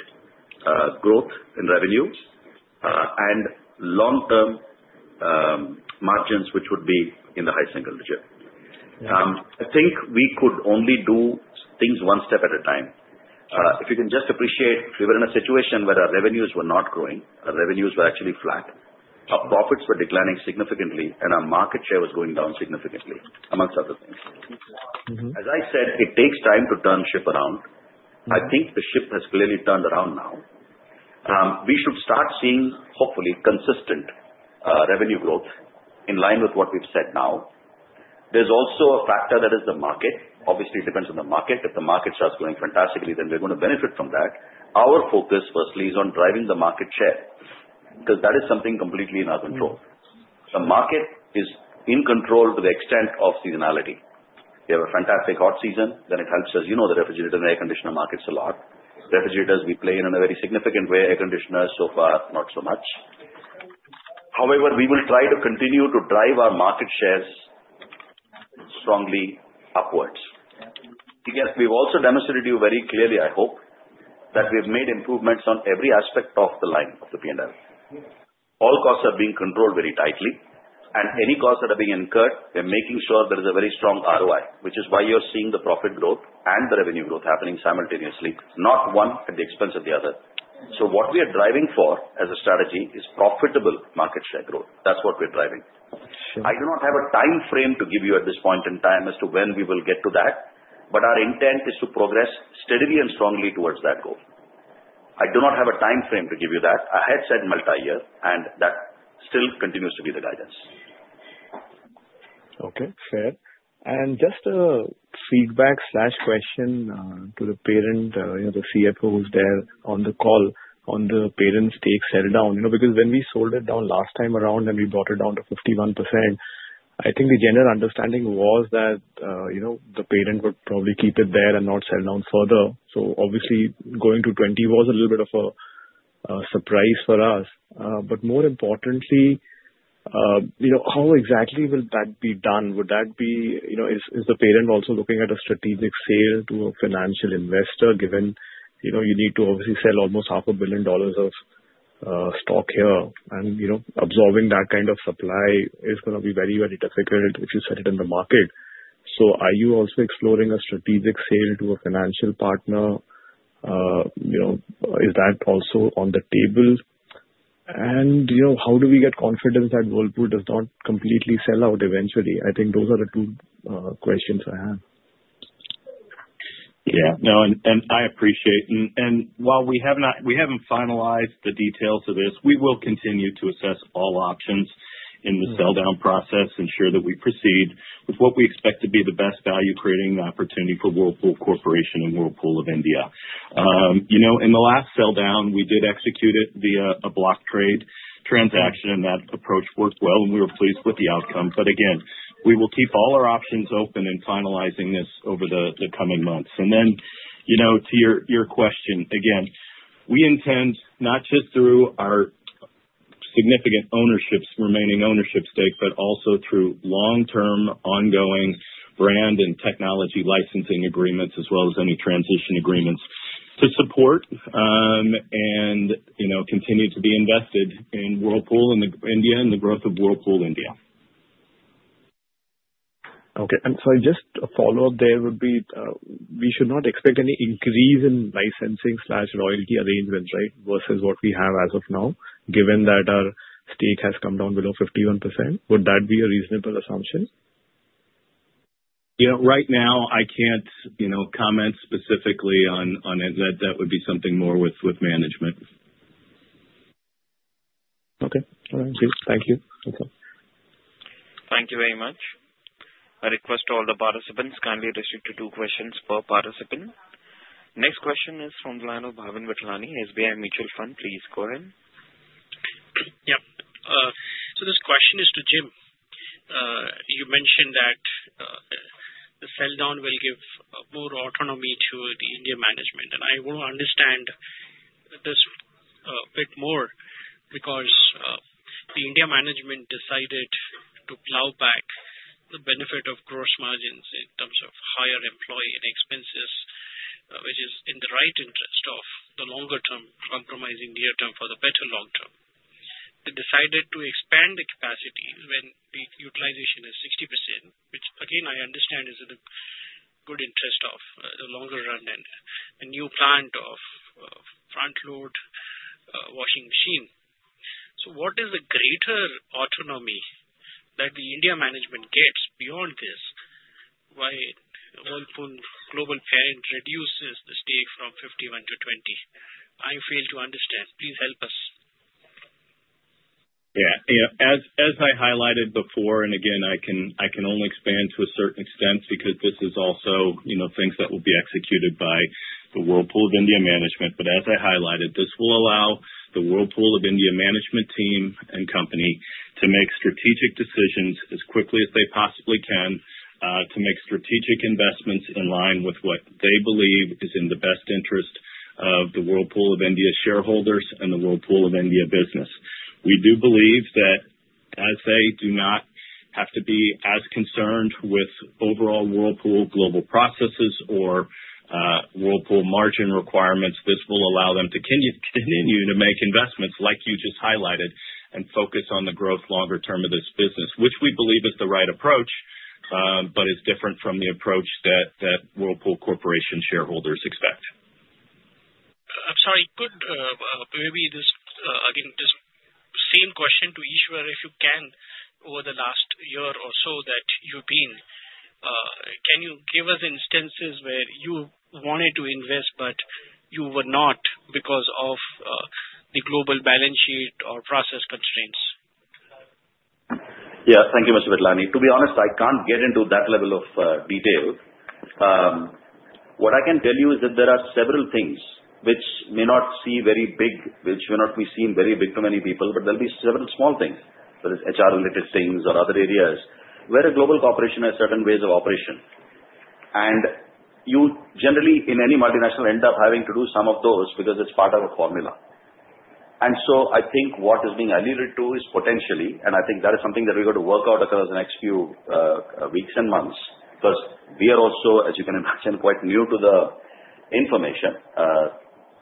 growth in revenue and long-term margins, which would be in the high single digit. I think we could only do things one step at a time. If you can just appreciate, we were in a situation where our revenues were not growing. Our revenues were actually flat. Our profits were declining significantly, and our market share was going down significantly, among other things. As I said, it takes time to turn the ship around. I think the ship has clearly turned around now. We should start seeing, hopefully, consistent revenue growth in line with what we've said now. There's also a factor that is the market. Obviously, it depends on the market. If the market starts going fantastically, then we're going to benefit from that. Our focus firstly is on driving the market share because that is something completely in our control. The market is in control to the extent of seasonality. We have a fantastic hot season. Then it helps us. You know the refrigerator and air conditioner markets a lot. Refrigerators, we play in a very significant way. Air conditioners, so far, not so much. However, we will try to continue to drive our market shares strongly upwards. Again, we've also demonstrated to you very clearly, I hope, that we have made improvements on every aspect of the line of the P&L. All costs are being controlled very tightly, and any costs that are being incurred, we're making sure there is a very strong ROI, which is why you're seeing the profit growth and the revenue growth happening simultaneously, not one at the expense of the other. So what we are driving for as a strategy is profitable market share growth. That's what we're driving. I do not have a time frame to give you at this point in time as to when we will get to that, but our intent is to progress steadily and strongly towards that goal. I do not have a time frame to give you that. I had said multi-year, and that still continues to be the guidance. Okay. Fair. And just a feedback/question to the parent, the CFO who's there on the call, on the parent's stake sell-down. Because when we sold it down last time around and we brought it down to 51%, I think the general understanding was that the parent would probably keep it there and not sell down further. So obviously, going to 20% was a little bit of a surprise for us. But more importantly, how exactly will that be done? Would that be—is the parent also looking at a strategic sale to a financial investor, given you need to obviously sell almost $500 million of stock here? And absorbing that kind of supply is going to be very, very difficult if you set it in the market. So are you also exploring a strategic sale to a financial partner? Is that also on the table? And how do we get confidence that Whirlpool does not completely sell out eventually? I think those are the two questions I have. Yeah. No, and I appreciate it. And while we haven't finalized the details of this, we will continue to assess all options in the sell-down process and ensure that we proceed with what we expect to be the best value-creating opportunity for Whirlpool Corporation and Whirlpool of India. In the last sell-down, we did execute it via a Block Trade transaction, and that approach worked well, and we were pleased with the outcome. But again, we will keep all our options open in finalizing this over the coming months. And then to your question, again, we intend not just through our significant remaining ownership stake, but also through long-term ongoing brand and technology licensing agreements, as well as any transition agreements, to support and continue to be invested in Whirlpool India and the growth of Whirlpool India. Okay. And sorry, just a follow-up there would be we should not expect any increase in licensing/royalty arrangements, right, versus what we have as of now, given that our stake has come down below 51%. Would that be a reasonable assumption? Right now, I can't comment specifically on it. That would be something more with management. Okay. All right. Thank you. Okay. Thank you very much. I request all the participants kindly restrict to two questions per participant. Next question is from the line of Bhavin Vithlani, SBI Mutual Fund. Please go ahead. Yep. So this question is to Jim. You mentioned that the sell-down will give more autonomy to the India management. And I want to understand this a bit more because the India management decided to plough back the benefit of gross margins in terms of higher employee expenses, which is in the right interest of the longer-term, compromising near-term for the better long-term. They decided to expand the capacity when the utilization is 60%, which, again, I understand is in the good interest of the longer run and a new plant of Front-Load washing machine. So what is the greater autonomy that the India management gets beyond this? Why Whirlpool Global Parent reduces the stake from 51 to 20? I fail to understand. Please help us. Yeah. As I highlighted before, and again, I can only expand to a certain extent because this is also things that will be executed by the Whirlpool of India management. But as I highlighted, this will allow the Whirlpool of India management team and company to make strategic decisions as quickly as they possibly can to make strategic investments in line with what they believe is in the best interest of the Whirlpool of India shareholders and the Whirlpool of India business. We do believe that as they do not have to be as concerned with overall Whirlpool global processes or Whirlpool margin requirements, this will allow them to continue to make investments like you just highlighted and focus on the growth longer-term of this business, which we believe is the right approach but is different from the approach that Whirlpool Corporation shareholders expect. I'm sorry. Maybe again, just same question to Eswar if you can. Over the last year or so that you've been, can you give us instances where you wanted to invest but you were not because of the global balance sheet or process constraints? Yeah. Thank you, Mr. Vithlani. To be honest, I can't get into that level of detail. What I can tell you is that there are several things which may not seem very big, which may not be seen very big to many people, but there'll be several small things, whether it's HR-related things or other areas, where a global corporation has certain ways of operation. And you generally, in any multinational, end up having to do some of those because it's part of a formula. And so I think what is being alluded to is potentially, and I think that is something that we're going to work out across the next few weeks and months because we are also, as you can imagine, quite new to the information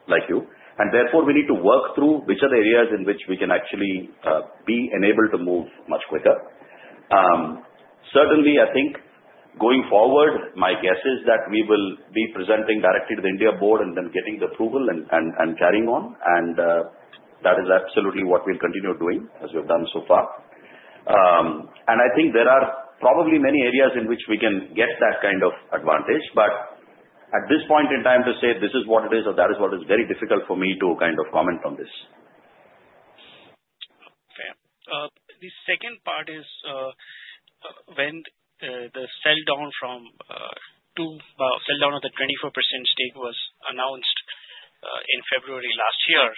like you. And therefore, we need to work through which are the areas in which we can actually be enabled to move much quicker. Certainly, I think going forward, my guess is that we will be presenting directly to the India Board and then getting the approval and carrying on. And that is absolutely what we'll continue doing as we've done so far. And I think there are probably many areas in which we can get that kind of advantage. But at this point in time to say this is what it is or that is what it is, very difficult for me to kind of comment on this. Okay. The second part is when the sell-down of the 24% stake was announced in February last year.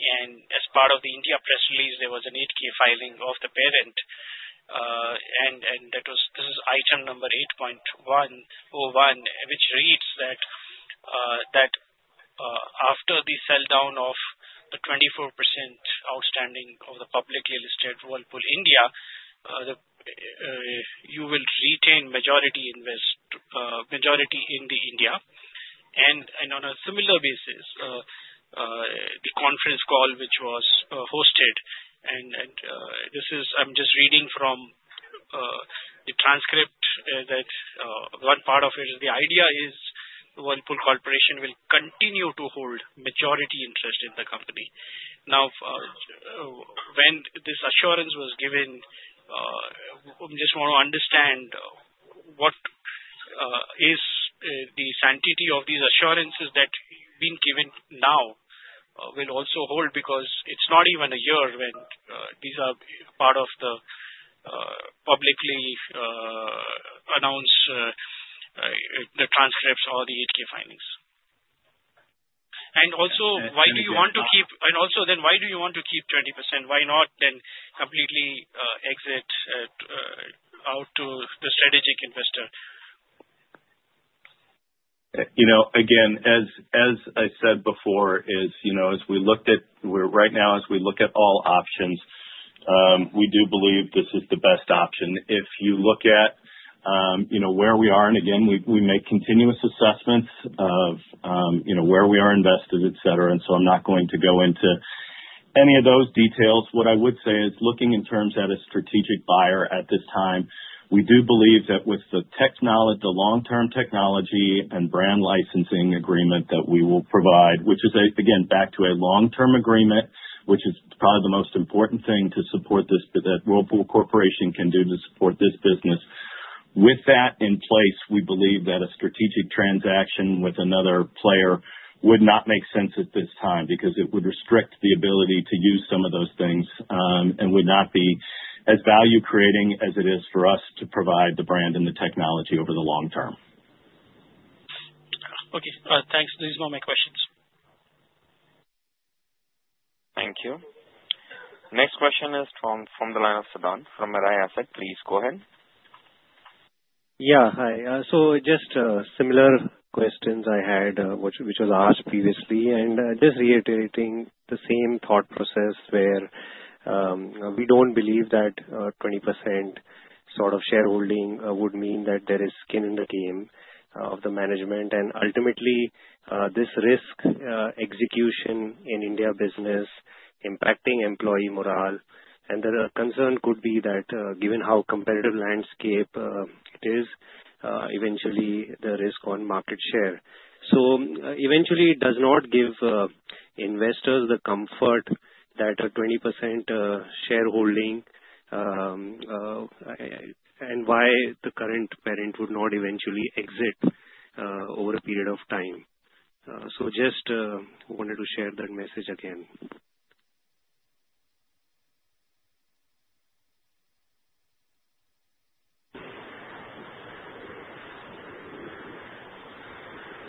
And as part of the India press release, there was an 8-K filing of the parent. And this is item number 8.01, which reads that after the sell-down of the 24% outstanding of the publicly listed Whirlpool of India, you will retain majority in the India. On a similar basis, the conference call which was hosted, and this is I'm just reading from the transcript that one part of it is the idea is Whirlpool Corporation will continue to hold majority interest in the company. Now, when this assurance was given, I just want to understand what is the sanctity of these assurances that being given now will also hold because it's not even a year when these are part of the publicly announced transcripts or the 8-K filings. Also, why do you want to keep and also then, why do you want to keep 20%? Why not then completely exit out to the strategic investor? Again, as I said before, as we looked at right now, as we look at all options, we do believe this is the best option. If you look at where we are, and again, we make continuous assessments of where we are invested, etc., and so I'm not going to go into any of those details. What I would say is looking in terms at a strategic buyer at this time, we do believe that with the long-term technology and brand licensing agreement that we will provide, which is, again, back to a long-term agreement, which is probably the most important thing to support this that Whirlpool Corporation can do to support this business. With that in place, we believe that a strategic transaction with another player would not make sense at this time because it would restrict the ability to use some of those things and would not be as value-creating as it is for us to provide the brand and the technology over the long-term. Okay. Thanks. These are all my questions. Thank you. Next question is from the line of Siddhant, from Mirae Asset. Please go ahead. Yeah. Hi. So just similar questions I had, which was asked previously. And just reiterating the same thought process where we don't believe that 20% sort of shareholding would mean that there is skin in the game of the management. And ultimately, this risk execution in India business impacting employee morale. And the concern could be that given how competitive landscape it is, eventually, the risk on market share. So eventually, it does not give investors the comfort that a 20% shareholding and why the current parent would not eventually exit over a period of time. So just wanted to share that message again.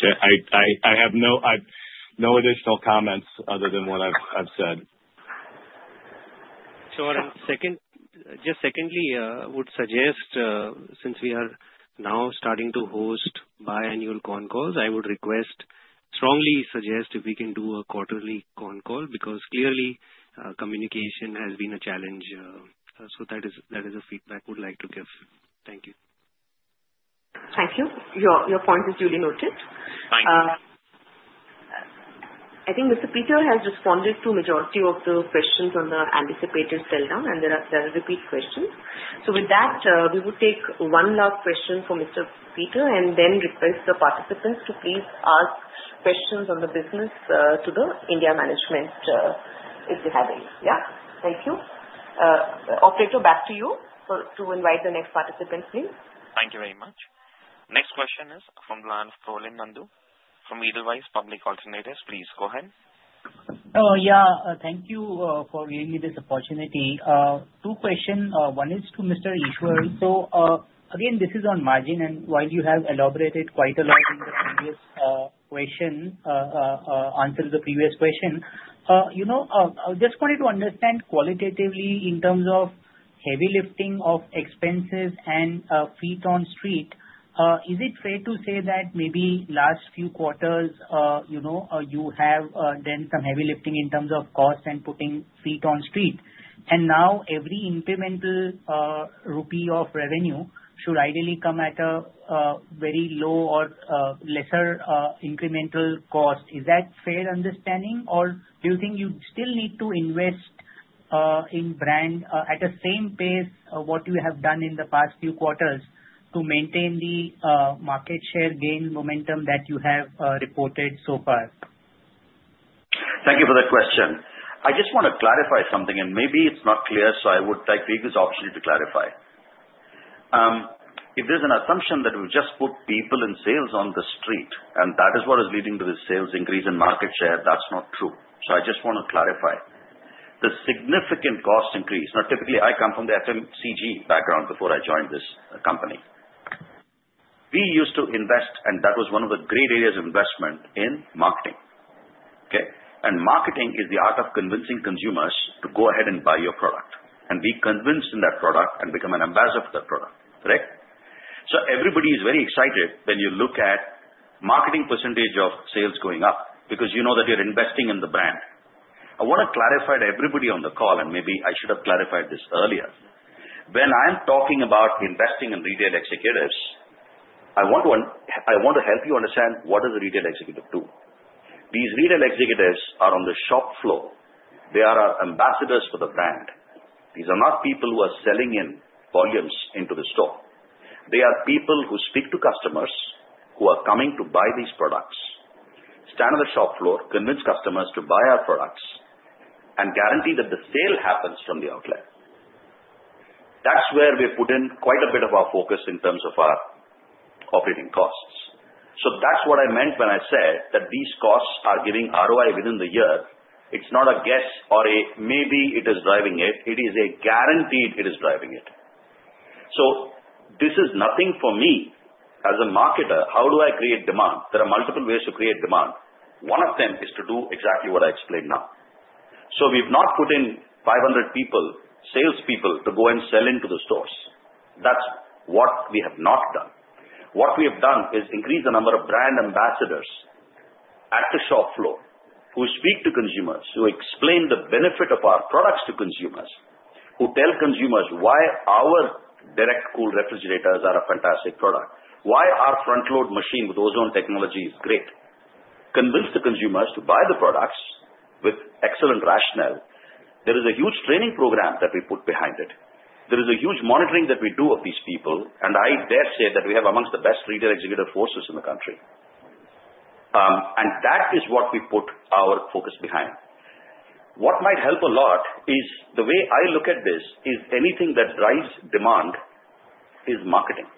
I have no additional comments other than what I've said. So just secondly, I would suggest, since we are now starting to host biannual con calls, I would strongly suggest if we can do a quarterly con call because clearly, communication has been a challenge. So that is the feedback I would like to give. Thank you. Thank you. Your point is duly noted. Thank you. I think Mr. Peters has responded to the majority of the questions on the anticipated sell-down, and there are repeat questions. So with that, we would take one last question from Mr. Peters and then request the participants to please ask questions on the business to the India management if you have any. Yeah. Thank you. Operator, back to you to invite the next participant, please. Thank you very much. Next question is from the line of Prolin Nandu from Edelweiss Financial Services. Please go ahead. Yeah. Thank you for giving me this opportunity. Two questions. One is to Mr. Eswar. So again, this is on margin, and while you have elaborated quite a lot on the previous question, answer to the previous question, I just wanted to understand qualitatively in terms of heavy lifting of expenses and feet on street. Is it fair to say that maybe last few quarters you have done some heavy lifting in terms of cost and putting feet on street? And now, every incremental rupee of revenue should ideally come at a very low or lesser incremental cost. Is that fair understanding? Or do you think you still need to invest in brand at the same pace of what you have done in the past few quarters to maintain the market share gain momentum that you have reported so far? Thank you for that question. I just want to clarify something, and maybe it's not clear, so I would take the opportunity to clarify. If there's an assumption that we've just put people in sales on the street, and that is what is leading to the sales increase in market share, that's not true. So I just want to clarify. The significant cost increase, now, typically, I come from the FMCG background before I joined this company. We used to invest, and that was one of the great areas of investment in marketing. Okay? And marketing is the art of convincing consumers to go ahead and buy your product. And we convinced in that product and became an ambassador for that product, correct? So everybody is very excited when you look at marketing percentage of sales going up because you know that you're investing in the brand. I want to clarify to everybody on the call, and maybe I should have clarified this earlier. When I'm talking about investing in retail executives, I want to help you understand what does a retail executive do. These retail executives are on the shop floor. They are our ambassadors for the brand. These are not people who are selling in volumes into the store. They are people who speak to customers who are coming to buy these products, stand on the shop floor, convince customers to buy our products, and guarantee that the sale happens from the outlet. That's where we've put in quite a bit of our focus in terms of our operating costs. So that's what I meant when I said that these costs are giving ROI within the year. It's not a guess or maybe it is driving it. It is guaranteed. It is driving it. This is nothing for me as a marketer. How do I create demand? There are multiple ways to create demand. One of them is to do exactly what I explained now. We've not put in 500 people, salespeople, to go and sell into the stores. That's what we have not done. What we have done is increase the number of brand ambassadors at the shop floor who speak to consumers, who explain the benefit of our products to consumers, who tell consumers why our Direct Cool refrigerators are a fantastic product, why our Front-Load machine with Ozone Technology is great, convince the consumers to buy the products with excellent rationale. There is a huge training program that we put behind it. There is a huge monitoring that we do of these people. And I dare say that we have amongst the best retail executive forces in the country. And that is what we put our focus behind. What might help a lot is the way I look at this is anything that drives demand is marketing.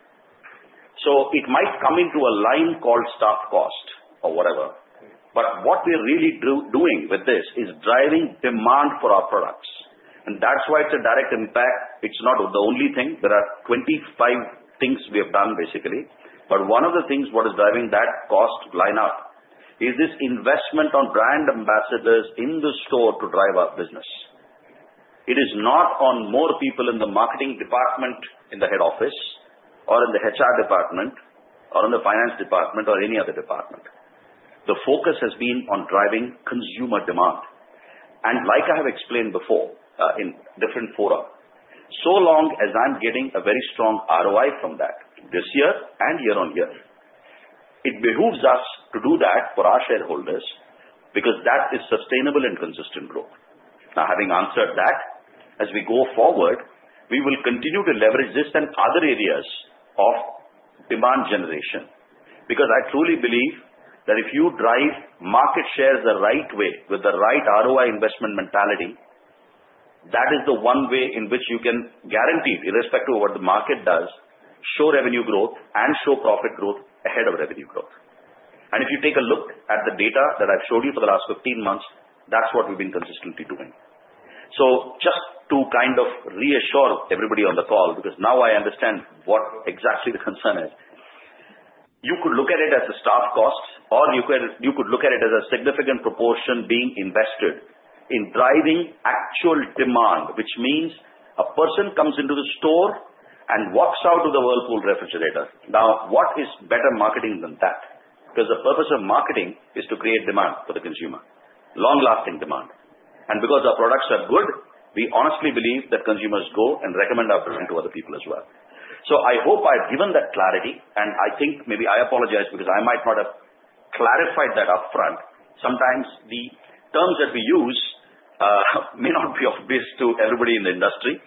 So it might come into a line called staff cost or whatever. But what we're really doing with this is driving demand for our products. And that's why it's a direct impact. It's not the only thing. There are 25 things we have done, basically. But one of the things what is driving that cost lineup is this investment on brand ambassadors in the store to drive our business. It is not on more people in the marketing department in the Head Office or in the HR department or in the Finance department or any other department. The focus has been on driving consumer demand. Like I have explained before in different fora, so long as I'm getting a very strong ROI from that this year and year-on-year, it behooves us to do that for our shareholders because that is sustainable and consistent growth. Now, having answered that, as we go forward, we will continue to leverage this in other areas of demand generation because I truly believe that if you drive market shares the right way with the right ROI investment mentality, that is the one way in which you can guarantee, irrespective of what the market does, show revenue growth and show profit growth ahead of revenue growth. If you take a look at the data that I've showed you for the last 15 months, that's what we've been consistently doing. So just to kind of reassure everybody on the call because now I understand what exactly the concern is, you could look at it as the staff cost, or you could look at it as a significant proportion being invested in driving actual demand, which means a person comes into the store and walks out of the Whirlpool refrigerator. Now, what is better marketing than that? Because the purpose of marketing is to create demand for the consumer, long-lasting demand. And because our products are good, we honestly believe that consumers go and recommend our brand to other people as well. So I hope I've given that clarity. And I think maybe I apologize because I might not have clarified that upfront. Sometimes the terms that we use may not be obvious to everybody in the industry.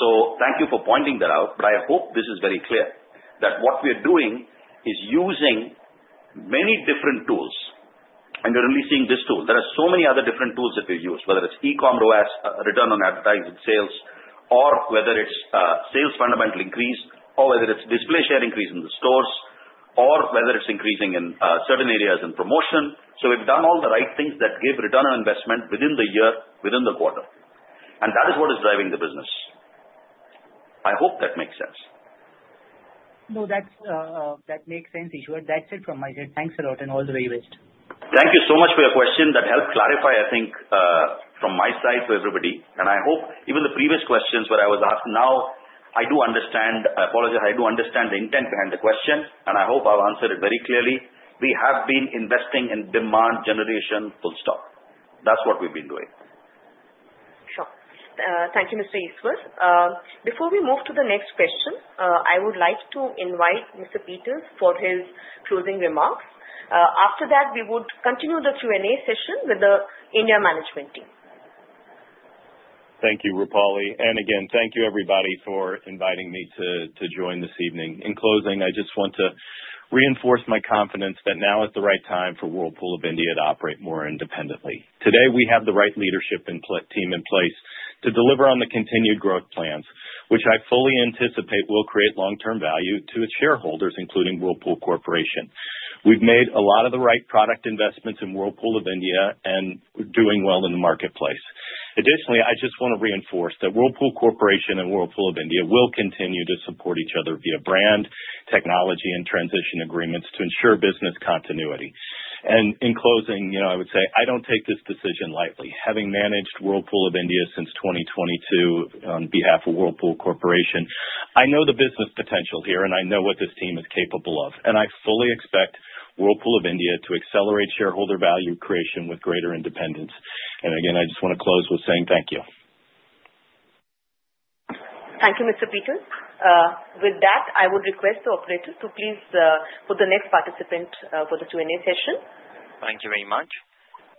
So thank you for pointing that out. But I hope this is very clear that what we are doing is using many different tools. And we're releasing this tool. There are so many other different tools that we use, whether it's e-commerce, return on advertising sales, or whether it's sales fundamental increase, or whether it's display share increase in the stores, or whether it's increasing in certain areas in promotion. So we've done all the right things that give return on investment within the year, within the quarter. And that is what is driving the business. I hope that makes sense. No, that makes sense, Eswar. That's it from my side. Thanks a lot and all the very best. Thank you so much for your question. That helped clarify, I think, from my side to everybody. And I hope even the previous questions where I was asked now, I do understand. I apologize. I do understand the intent behind the question, and I hope I've answered it very clearly. We have been investing in demand generation, full stop. That's what we've been doing. Sure. Thank you, Mr. Eswar. Before we move to the next question, I would like to invite Mr. Peters for his closing remarks. After that, we would continue the Q&A session with the India management team. Thank you, Roopali. And again, thank you, everybody, for inviting me to join this evening. In closing, I just want to reinforce my confidence that now is the right time for Whirlpool of India to operate more independently. Today, we have the right leadership team in place to deliver on the continued growth plans, which I fully anticipate will create long-term value to its shareholders, including Whirlpool Corporation. We've made a lot of the right product investments in Whirlpool of India and doing well in the marketplace. Additionally, I just want to reinforce that Whirlpool Corporation and Whirlpool of India will continue to support each other via brand, technology, and transition agreements to ensure business continuity. And in closing, I would say I don't take this decision lightly. Having managed Whirlpool of India since 2022 on behalf of Whirlpool Corporation, I know the business potential here, and I know what this team is capable of. And I fully expect Whirlpool of India to accelerate shareholder value creation with greater independence. And again, I just want to close with saying thank you. Thank you, Mr. Peters. With that, I would request the operators to please put the next participant for the Q&A session. Thank you very much.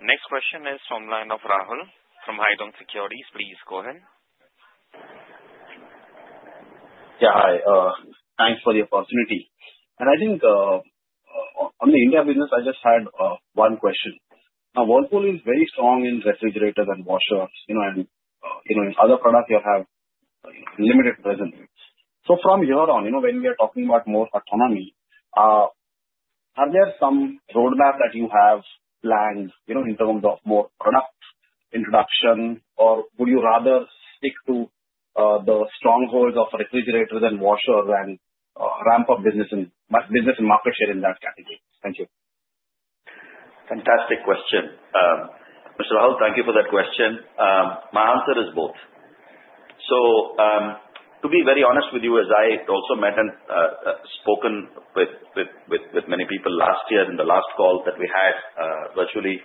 Next question is from the line of Rahul from Haitong Securities. Please go ahead. Yeah. Hi. Thanks for the opportunity. And I think on the India business, I just had one question. Now, Whirlpool is very strong in refrigerators and washers, and other products you have limited presence. So from here on, when we are talking about more autonomy, are there some roadmaps that you have planned in terms of more product introduction, or would you rather stick to the strongholds of refrigerators and washers and ramp up business and market share in that category? Thank you. Fantastic question. Mr. Rahul, thank you for that question. My answer is both. So to be very honest with you, as I also met and spoken with many people last year in the last call that we had virtually,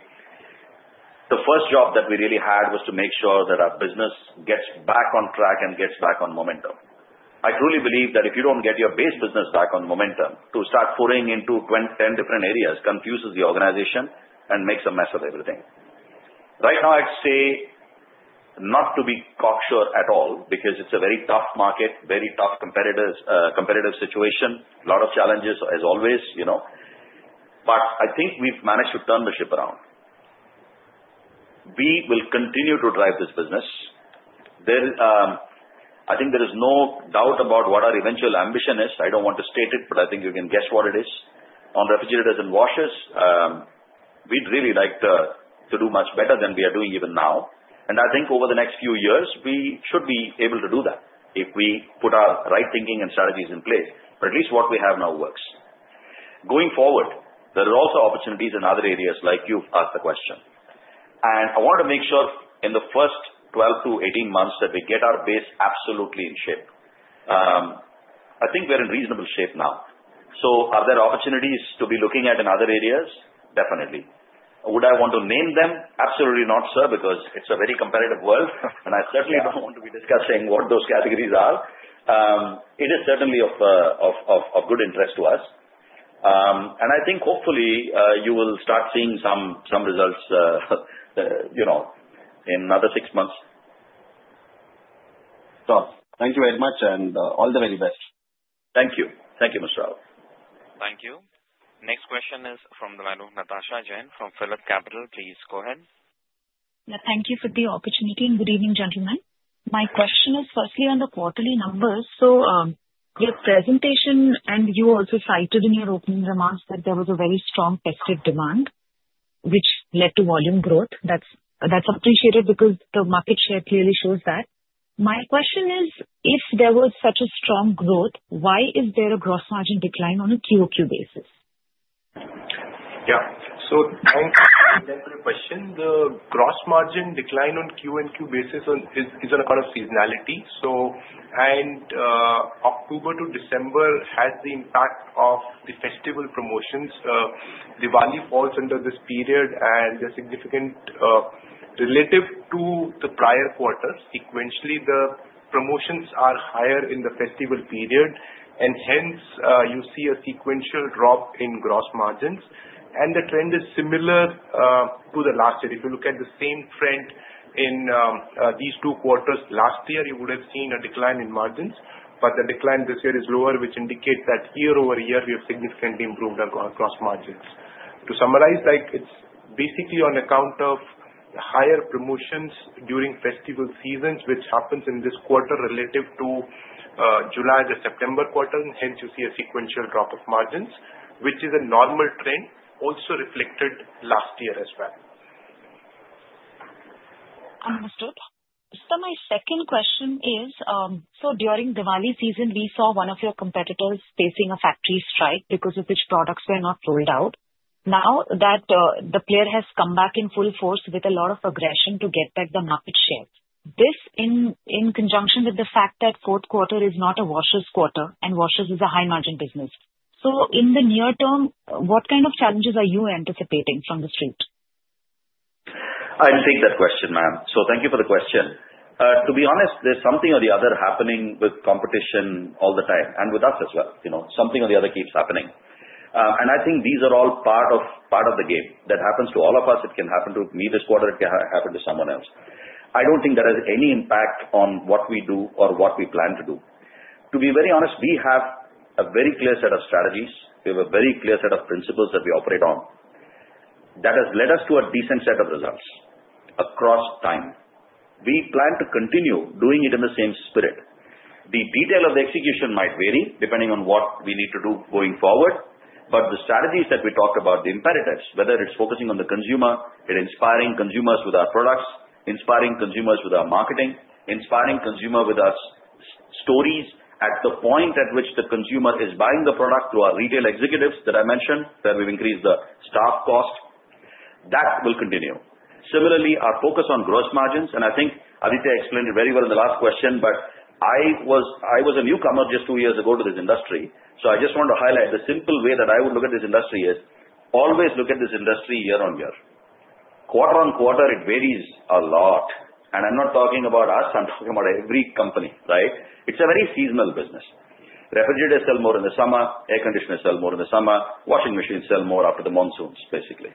the first job that we really had was to make sure that our business gets back on track and gets back on momentum. I truly believe that if you don't get your base business back on momentum, to start pouring into 10 different areas confuses the organization and makes a mess of everything. Right now, I'd say not to be cocksure at all because it's a very tough market, very tough competitive situation, a lot of challenges as always. But I think we've managed to turn the ship around. We will continue to drive this business. I think there is no doubt about what our eventual ambition is. I don't want to state it, but I think you can guess what it is on refrigerators and washers. We'd really like to do much better than we are doing even now. And I think over the next few years, we should be able to do that if we put our right thinking and strategies in place. But at least what we have now works. Going forward, there are also opportunities in other areas like you've asked the question. I want to make sure in the first 12-18 months that we get our base absolutely in shape. I think we're in reasonable shape now. So are there opportunities to be looking at in other areas? Definitely. Would I want to name them? Absolutely not, sir, because it's a very competitive world, and I certainly don't want to be discussing what those categories are. It is certainly of good interest to us. I think hopefully you will start seeing some results in another six months. So, thank you very much and all the very best. Thank you. Thank you, Mr. Rahul. Thank you. Next question is from the line of Natasha Jain from Phillip Capital. Please go ahead. Yeah. Thank you for the opportunity and good evening, gentlemen. My question is firstly on the quarterly numbers. So your presentation and you also cited in your opening remarks that there was a very strong tested demand, which led to volume growth. That's appreciated because the market share clearly shows that. My question is, if there was such a strong growth, why is there a gross margin decline on a QOQ basis? Yeah. So thank you for the question. The gross margin decline on QOQ basis is on a kind of seasonality. So October to December has the impact of the festival promotions. Diwali falls under this period, and there's significant relative to the prior quarters. Sequentially, the promotions are higher in the festival period, and hence you see a sequential drop in gross margins, and the trend is similar to the last year. If you look at the same trend in these two quarters last year, you would have seen a decline in margins. But the decline this year is lower, which indicates that year-over-year, we have significantly improved our gross margins. To summarize, it's basically on account of higher promotions during festival seasons, which happens in this quarter relative to July to September quarter. And hence you see a sequential drop of margins, which is a normal trend also reflected last year as well. Understood. So my second question is, so during Diwali season, we saw one of your competitors facing a factory strike because of which products were not rolled out. Now that the player has come back in full force with a lot of aggression to get back the market share. This in conjunction with the fact that fourth quarter is not a washers quarter and washers is a high-margin business. So in the near term, what kind of challenges are you anticipating from the street? I'd take that question, ma'am. So thank you for the question. To be honest, there's something or the other happening with competition all the time and with us as well. Something or the other keeps happening, and I think these are all part of the game. That happens to all of us. It can happen to me this quarter. It can happen to someone else. I don't think that has any impact on what we do or what we plan to do. To be very honest, we have a very clear set of strategies. We have a very clear set of principles that we operate on. That has led us to a decent set of results across time. We plan to continue doing it in the same spirit. The detail of the execution might vary depending on what we need to do going forward. But the strategies that we talked about, the imperatives, whether it's focusing on the consumer, it's inspiring consumers with our products, inspiring consumers with our marketing, inspiring consumers with our stories at the point at which the consumer is buying the product through our retail executives that I mentioned, that we've increased the sales force, that will continue. Similarly, our focus on gross margins and I think Aditya explained it very well in the last question, but I was a newcomer just two years ago to this industry. So, I just want to highlight the simple way that I would look at this industry is always look at this industry year-on-year. Quarter-on-quarter, it varies a lot. And I'm not talking about us. I'm talking about every company, right? It's a very seasonal business. Refrigerators sell more in the summer. Air conditioners sell more in the summer. Washing machines sell more after the monsoons, basically.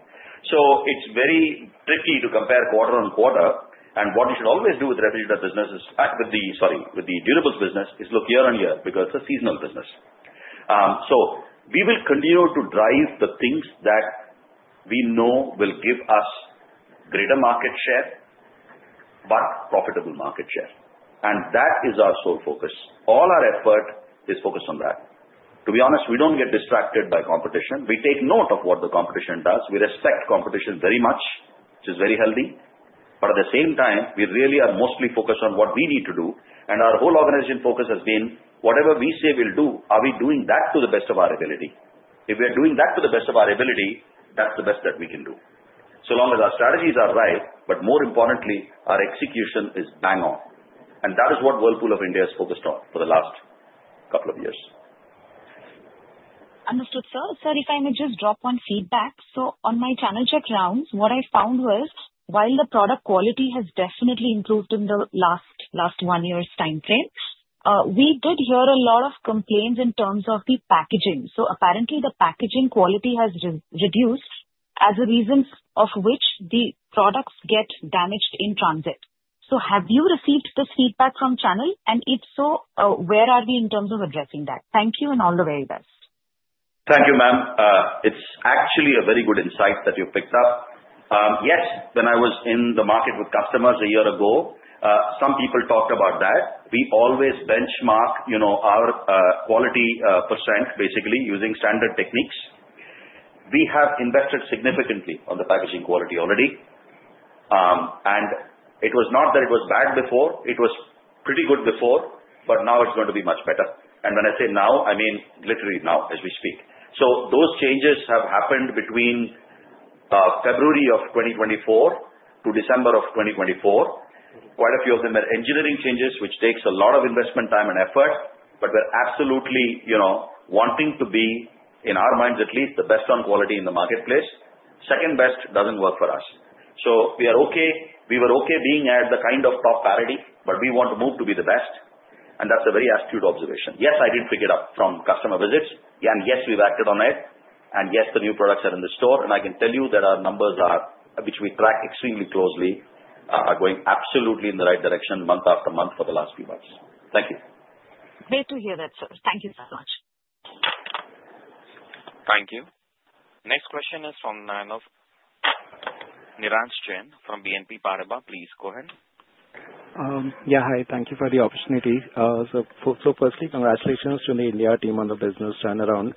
So it's very tricky to compare quarter-on-quarter. And what you should always do with refrigerator businesses, sorry, with the durables business, is look year-on-year because it's a seasonal business. So we will continue to drive the things that we know will give us greater market share but profitable market share. And that is our sole focus. All our effort is focused on that. To be honest, we don't get distracted by competition. We take note of what the competition does. We respect competition very much, which is very healthy, but at the same time, we really are mostly focused on what we need to do. And our whole organization focus has been whatever we say we'll do, are we doing that to the best of our ability? If we are doing that to the best of our ability, that's the best that we can do, so long as our strategies are right, but more importantly, our execution is bang on, and that is what Whirlpool of India is focused on for the last couple of years. Understood, sir. Sorry if I may just drop one feedback. So on my channel check rounds, what I found was while the product quality has definitely improved in the last one year's time frame, we did hear a lot of complaints in terms of the packaging. So apparently, the packaging quality has reduced as a reason of which the products get damaged in transit. So have you received this feedback from channel? And if so, where are we in terms of addressing that? Thank you and all the very best. Thank you, ma'am. It's actually a very good insight that you picked up. Yes, when I was in the market with customers a year ago, some people talked about that. We always benchmark our quality percent, basically, using standard techniques. We have invested significantly on the packaging quality already. And it was not that it was bad before. It was pretty good before, but now it's going to be much better. And when I say now, I mean literally now as we speak. So those changes have happened between February of 2024 to December of 2024. Quite a few of them are engineering changes, which takes a lot of investment time and effort. But we're absolutely wanting to be, in our minds at least, the best on quality in the marketplace. Second best doesn't work for us. So we were okay being at the kind of top parity, but we want to move to be the best. And that's a very astute observation. Yes, I didn't pick it up from customer visits. And yes, we've acted on it. And yes, the new products are in the store. And I can tell you that our numbers, which we track extremely closely, are going absolutely in the right direction month after month for the last few months. Thank you. Great to hear that, sir. Thank you so much. Thank you. Next question is from Nirransh Jain from BNP Paribas. Please go ahead. Yeah. Hi. Thank you for the opportunity. So firstly, congratulations to the India team on the business turnaround.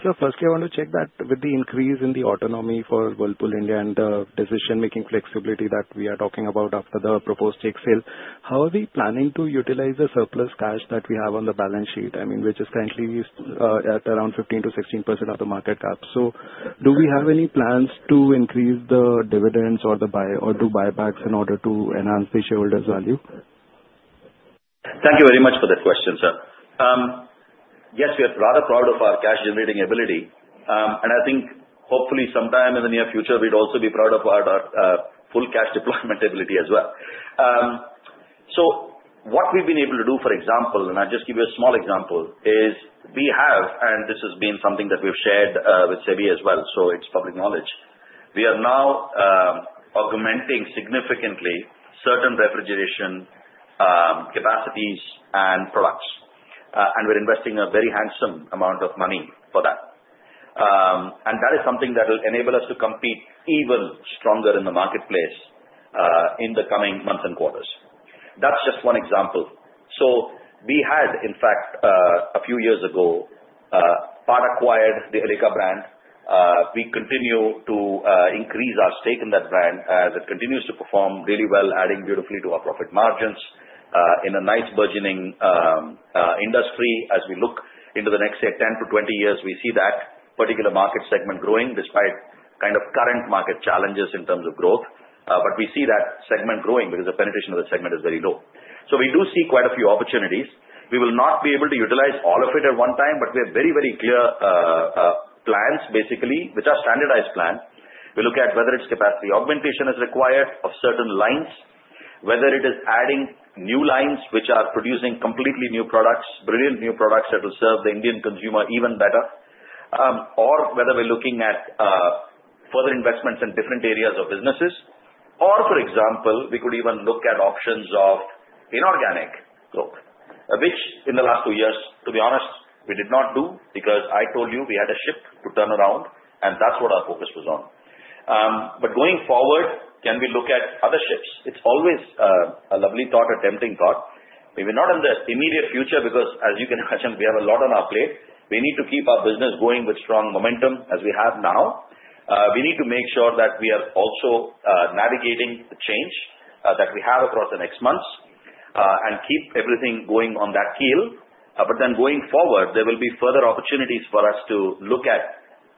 So firstly, I want to check that with the increase in the autonomy for Whirlpool India and the decision-making flexibility that we are talking about after the proposed exit. How are we planning to utilize the surplus cash that we have on the balance sheet? I mean, which is currently at around 15%-16% of the market cap. So do we have any plans to increase the dividends or do buybacks in order to enhance the shareholders' value? Thank you very much for that question, sir. Yes, we are rather proud of our cash-generating ability. And I think hopefully sometime in the near future, we'd also be proud of our full cash deployment ability as well. So what we've been able to do, for example, and I'll just give you a small example, is we have, and this has been something that we've shared with Sebi as well, so it's public knowledge. We are now augmenting significantly certain refrigeration capacities and products. And we're investing a very handsome amount of money for that. And that is something that will enable us to compete even stronger in the marketplace in the coming months and quarters. That's just one example. So we had, in fact, a few years ago, we acquired the Elica brand. We continue to increase our stake in that brand as it continues to perform really well, adding beautifully to our profit margins in a nice burgeoning industry. As we look into the next 10-20 years, we see that particular market segment growing despite kind of current market challenges in terms of growth. But we see that segment growing because the penetration of the segment is very low. So we do see quite a few opportunities. We will not be able to utilize all of it at one time, but we have very, very clear plans, basically, which are standardized plans. We look at whether it's capacity augmentation as required of certain lines, whether it is adding new lines which are producing completely new products, brilliant new products that will serve the Indian consumer even better, or whether we're looking at further investments in different areas of businesses. Or, for example, we could even look at options of inorganic growth, which in the last two years, to be honest, we did not do because I told you we had a ship to turn around, and that's what our focus was on. But going forward, can we look at other ships? It's always a lovely thought, a tempting thought. Maybe not in the immediate future because, as you can imagine, we have a lot on our plate. We need to keep our business going with strong momentum as we have now. We need to make sure that we are also navigating the change that we have across the next months and keep everything going on that keel. But then going forward, there will be further opportunities for us to look at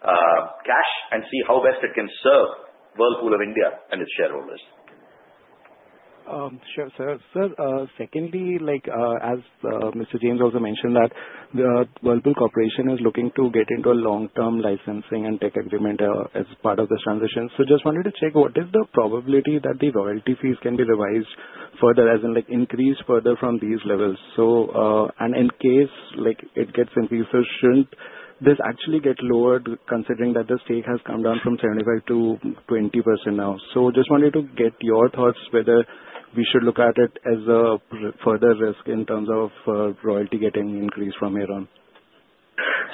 cash and see how best it can serve Whirlpool of India and its shareholders. Sure, sir. Secondly, as Mr. James also mentioned, that Whirlpool Corporation is looking to get into a long-term licensing and tech agreement as part of this transition. So just wanted to check, what is the probability that the royalty fees can be revised further, as in increased further from these levels? In case it gets increased, so shouldn't this actually get lowered considering that the stake has come down from 75% to 20% now? So just wanted to get your thoughts whether we should look at it as a further risk in terms of royalty getting increased from here on.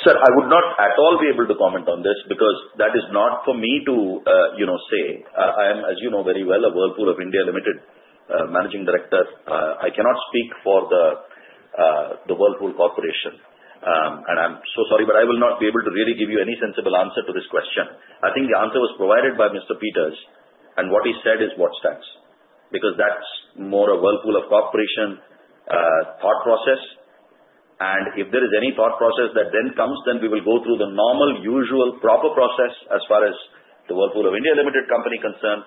Sir, I would not at all be able to comment on this because that is not for me to say. I am, as you know very well, a Whirlpool of India Ltd Managing Director. I cannot speak for the Whirlpool Corporation. And I'm so sorry, but I will not be able to really give you any sensible answer to this question. I think the answer was provided by Mr. Peters, and what he said is what stands because that's more a Whirlpool Corporation thought process. If there is any thought process that then comes, then we will go through the normal, usual, proper process as far as the Whirlpool of India Ltd company is concerned,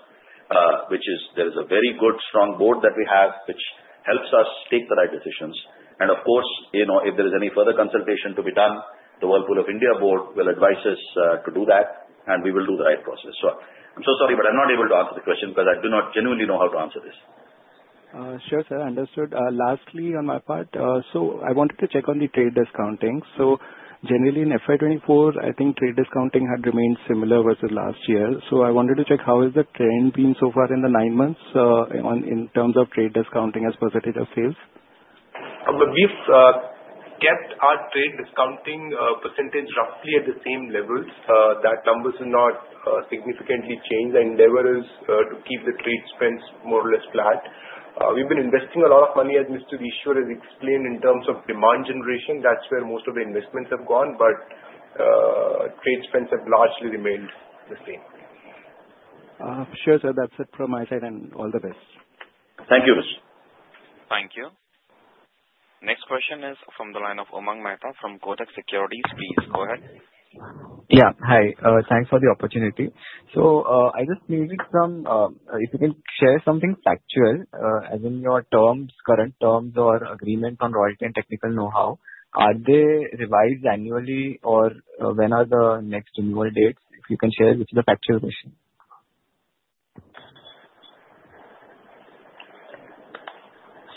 which is there is a very good, strong board that we have, which helps us take the right decisions. Of course, if there is any further consultation to be done, the Whirlpool of India board will advise us to do that, and we will do the right process. I'm so sorry, but I'm not able to answer the question because I do not genuinely know how to answer this. Sure, sir. Understood. Lastly, on my part, I wanted to check on the trade discounting. Generally, in FY 2024, I think trade discounting had remained similar versus last year. So I wanted to check how has the trend been so far in the nine months in terms of trade discounting as percentage of sales? We've kept our trade discounting percentage roughly at the same levels. That number has not significantly changed. The endeavor is to keep the trade spends more or less flat. We've been investing a lot of money, as Mr. Eswar has explained, in terms of demand generation. That's where most of the investments have gone. But trade spends have largely remained the same. Sure, sir. That's it from my side, and all the best. Thank you, Aditya. Thank you. Next question is from the line of Umang Mehta from Kotak Securities. Please go ahead. Yeah. Hi. Thanks for the opportunity. So I just needed some, if you can share something factual, as in your terms, current terms or agreement on royalty and technical know-how. Are they revised annually, or when are the next renewal dates? If you can share with the factual question.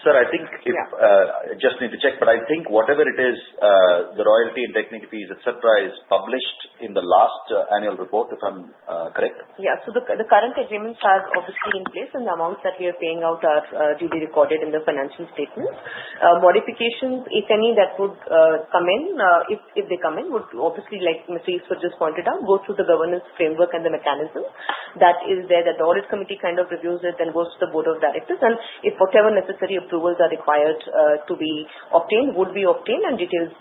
Sir, I think I just need to check, but I think whatever it is, the royalty and technical fees, etc., is published in the last annual report, if I'm correct. Yeah. So the current agreements are obviously in place, and the amounts that we are paying out are duly recorded in the financial statements. Modifications, if any, that would come in, if they come in, would obviously, like Mr. Yusuf just pointed out, go through the governance framework and the mechanism. That is there. The audit committee kind of reviews it, then goes to the Board of Directors. And if whatever necessary approvals are required to be obtained, would be obtained, and the details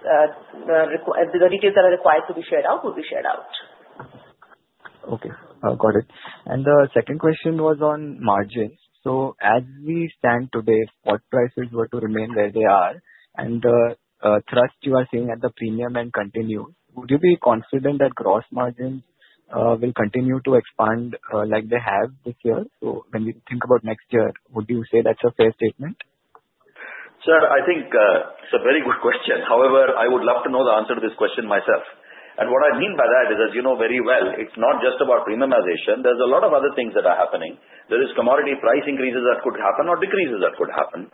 that are required to be shared out will be shared out. Okay. Got it. And the second question was on margins. So as we stand today, spot prices were to remain where they are, and the thrust you are seeing at the premium and continue, would you be confident that gross margins will continue to expand like they have this year? So when we think about next year, would you say that's a fair statement? Sir, I think it's a very good question. However, I would love to know the answer to this question myself. And what I mean by that is, as you know very well, it's not just about premiumization. There's a lot of other things that are happening. There are commodity price increases that could happen or decreases that could happen.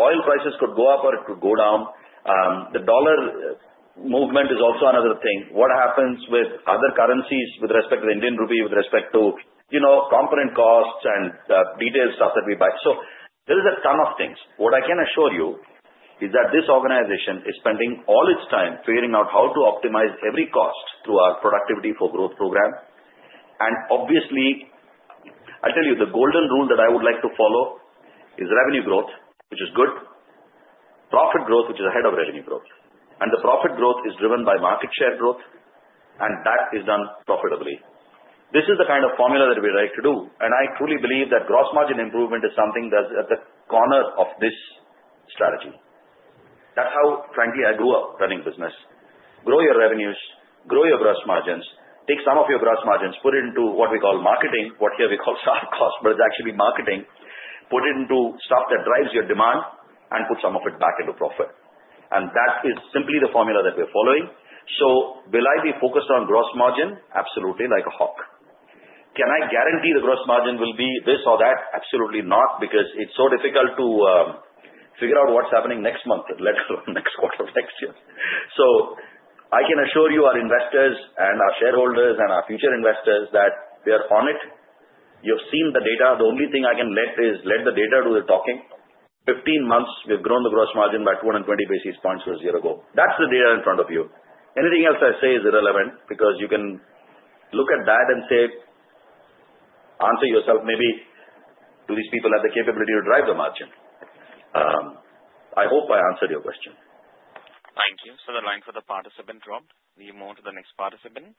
Oil prices could go up or could go down. The dollar movement is also another thing. What happens with other currencies with respect to the Indian rupee, with respect to component costs and detailed stuff that we buy? So there is a ton of things. What I can assure you is that this organization is spending all its time figuring out how to optimize every cost through our Productivity for Growth program. And obviously, I'll tell you, the golden rule that I would like to follow is revenue growth, which is good, profit growth, which is ahead of revenue growth. And the profit growth is driven by market share growth, and that is done profitably. This is the kind of formula that we're right to do. And I truly believe that gross margin improvement is something that's at the corner of this strategy. That's how, frankly, I grew up running business. Grow your revenues, grow your gross margins, take some of your gross margins, put it into what we call marketing, what here we call soft cost, but it's actually marketing, put it into stuff that drives your demand, and put some of it back into profit. And that is simply the formula that we're following. So will I be focused on gross margin? Absolutely, like a hawk. Can I guarantee the gross margin will be this or that? Absolutely not, because it's so difficult to figure out what's happening next month, next quarter or next year. So I can assure you, our investors and our shareholders and our future investors that we are on it. You've seen the data. The only thing I can do is let the data do the talking. 15 months, we've grown the gross margin by 220 basis points from zero. That's the data in front of you. Anything else I say is irrelevant because you can look at that and say, answer yourself, maybe do these people have the capability to drive the margin? I hope I answered your question. Thank you. So the line for the participant dropped. We move on to the next participant.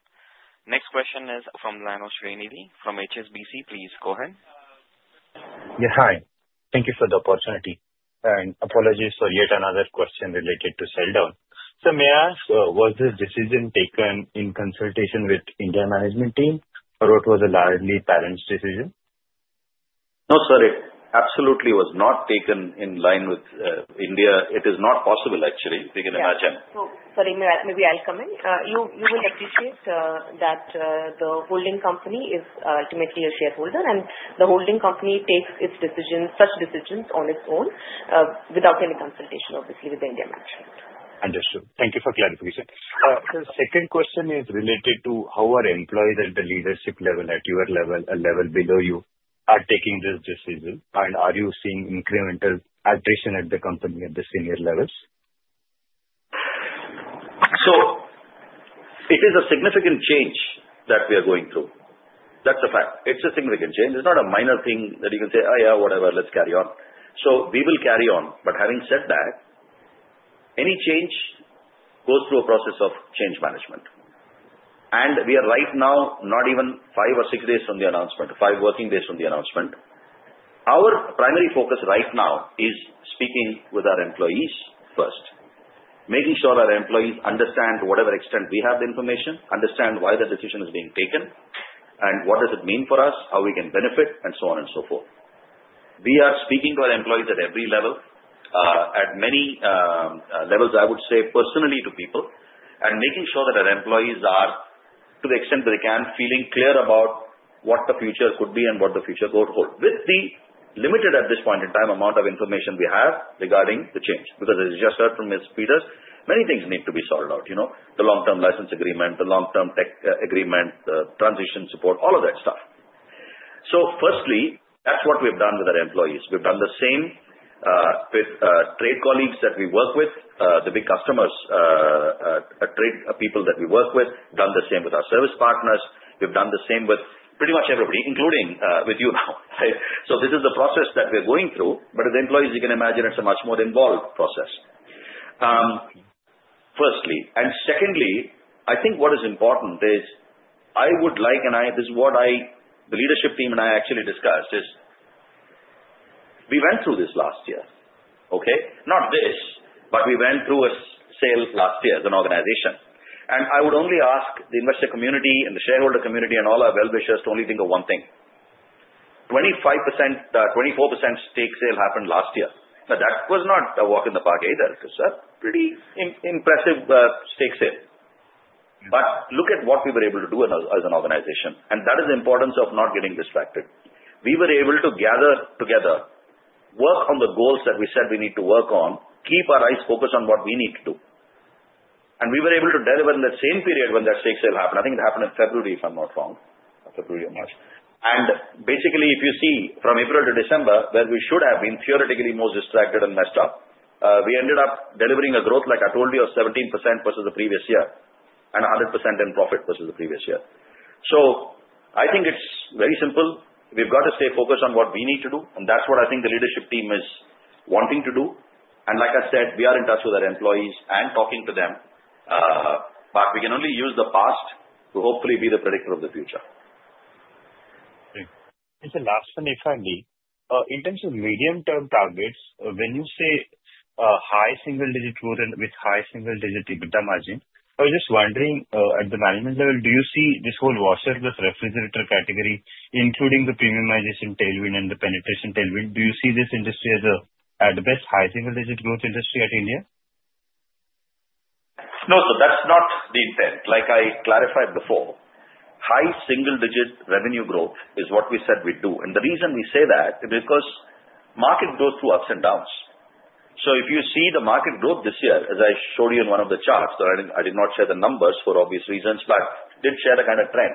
Next question is from Shrinidhi from HSBC. Please go ahead. Yeah. Hi. Thank you for the opportunity. And apologies for yet another question related to sell down. So may I ask, was this decision taken in consultation with India management team, or what was a largely parent's decision? No, sir. It absolutely was not taken in line with India. It is not possible, actually, if you can imagine. Sorry, maybe I'll come in. You will appreciate that the holding company is ultimately a shareholder, and the holding company takes such decisions on its own without any consultation, obviously, with the India management. Understood. Thank you for clarification. The second question is related to how are employees at the leadership level, at your level, a level below you, taking this decision? And are you seeing incremental attrition at the company at the senior levels? So it is a significant change that we are going through. That's a fact. It's a significant change. It's not a minor thing that you can say, "Oh, yeah, whatever. Let's carry on." So we will carry on. But having said that, any change goes through a process of change management. And we are right now not even five or six days from the announcement, five working days from the announcement. Our primary focus right now is speaking with our employees first, making sure our employees understand to whatever extent we have the information, understand why the decision is being taken, and what does it mean for us, how we can benefit, and so on and so forth. We are speaking to our employees at every level, at many levels, I would say, personally to people, and making sure that our employees are, to the extent that they can, feeling clear about what the future could be and what the future could hold with the limited, at this point in time, amount of information we have regarding the change. Because as you just heard from Mr. Peters, many things need to be sorted out: the long-term license agreement, the long-term tech agreement, the transition support, all of that stuff, so firstly, that's what we've done with our employees. We've done the same with trade colleagues that we work with, the big customers, trade people that we work with, done the same with our service partners. We've done the same with pretty much everybody, including with you now, so this is the process that we're going through. But as employees, you can imagine it's a much more involved process, firstly, and secondly, I think what is important is I would like, and this is what the leadership team and I actually discussed, is we went through this last year, okay? Not this, but we went through a sale last year as an organization, and I would only ask the investor community and the shareholder community and all our well-wishers to only think of one thing. 25%, 24% stake sale happened last year. Now, that was not a walk in the park either. It was a pretty impressive stake sale. But look at what we were able to do as an organization. And that is the importance of not getting distracted. We were able to gather together, work on the goals that we said we need to work on, keep our eyes focused on what we need to do. And we were able to deliver in the same period when that stake sale happened. I think it happened in February, if I'm not wrong, or February or March. And basically, if you see, from April to December, where we should have been theoretically most distracted and messed up, we ended up delivering a growth, like I told you, of 17% versus the previous year and 100% in profit versus the previous year. So I think it's very simple. We've got to stay focused on what we need to do, and that's what I think the leadership team is wanting to do. And like I said, we are in touch with our employees and talking to them. But we can only use the past to hopefully be the predictor of the future. Mr. Last one, if I may, in terms of medium-term targets, when you say high single-digit growth and with high single-digit EBITDA margin, I was just wondering, at the management level, do you see this whole washer and refrigerator category, including the premiumization tailwind and the penetration tailwind? Do you see this industry as the best high single-digit growth industry in India? No, sir. That's not the intent. Like I clarified before, high single-digit revenue growth is what we said we'd do. And the reason we say that is because market grows through ups and downs. So if you see the market growth this year, as I showed you in one of the charts, though I did not share the numbers for obvious reasons, but did share the kind of trend.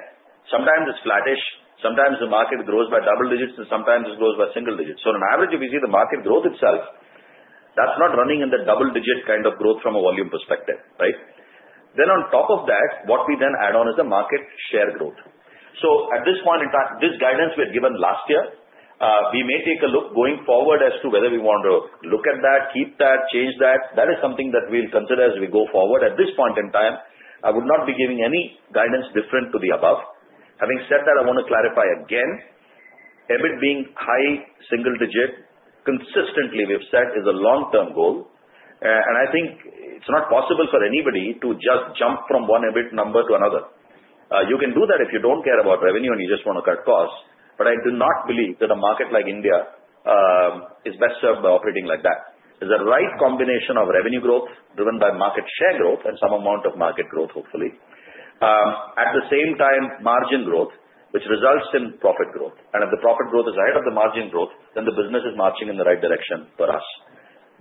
Sometimes it's flattish. Sometimes the market grows by double digits, and sometimes it grows by single digits. So on average, if you see the market growth itself, that's not running in the double-digit kind of growth from a volume perspective, right? Then on top of that, what we then add on is the market share growth. So at this point in time, this guidance we had given last year, we may take a look going forward as to whether we want to look at that, keep that, change that. That is something that we'll consider as we go forward. At this point in time, I would not be giving any guidance different to the above. Having said that, I want to clarify again, EBIT being high single-digit consistently, we've said, is a long-term goal. And I think it's not possible for anybody to just jump from one EBIT number to another. You can do that if you don't care about revenue and you just want to cut costs. But I do not believe that a market like India is best served by operating like that. It's the right combination of revenue growth driven by market share growth and some amount of market growth, hopefully, at the same time, margin growth, which results in profit growth. And if the profit growth is ahead of the margin growth, then the business is marching in the right direction for us.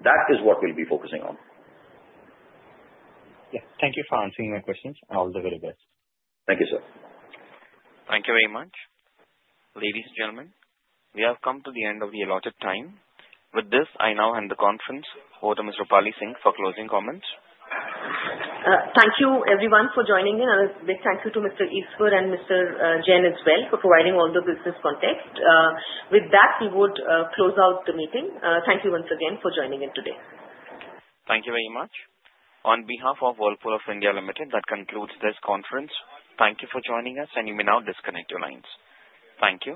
That is what we'll be focusing on. Yeah. Thank you for answering my questions. All the very best. Thank you, sir. Thank you very much. Ladies and gentlemen, we have come to the end of the allotted time. With this, I now hand the conference over to Ms. Roopali Singh for closing comments. Thank you, everyone, for joining in, and a big thank you to Mr. Eswar and Mr. Jain as well for providing all the business context. With that, we would close out the meeting. Thank you once again for joining in today. Thank you very much. On behalf of Whirlpool of India Ltd, that concludes this conference. Thank you for joining us, and you may now disconnect your lines. Thank you.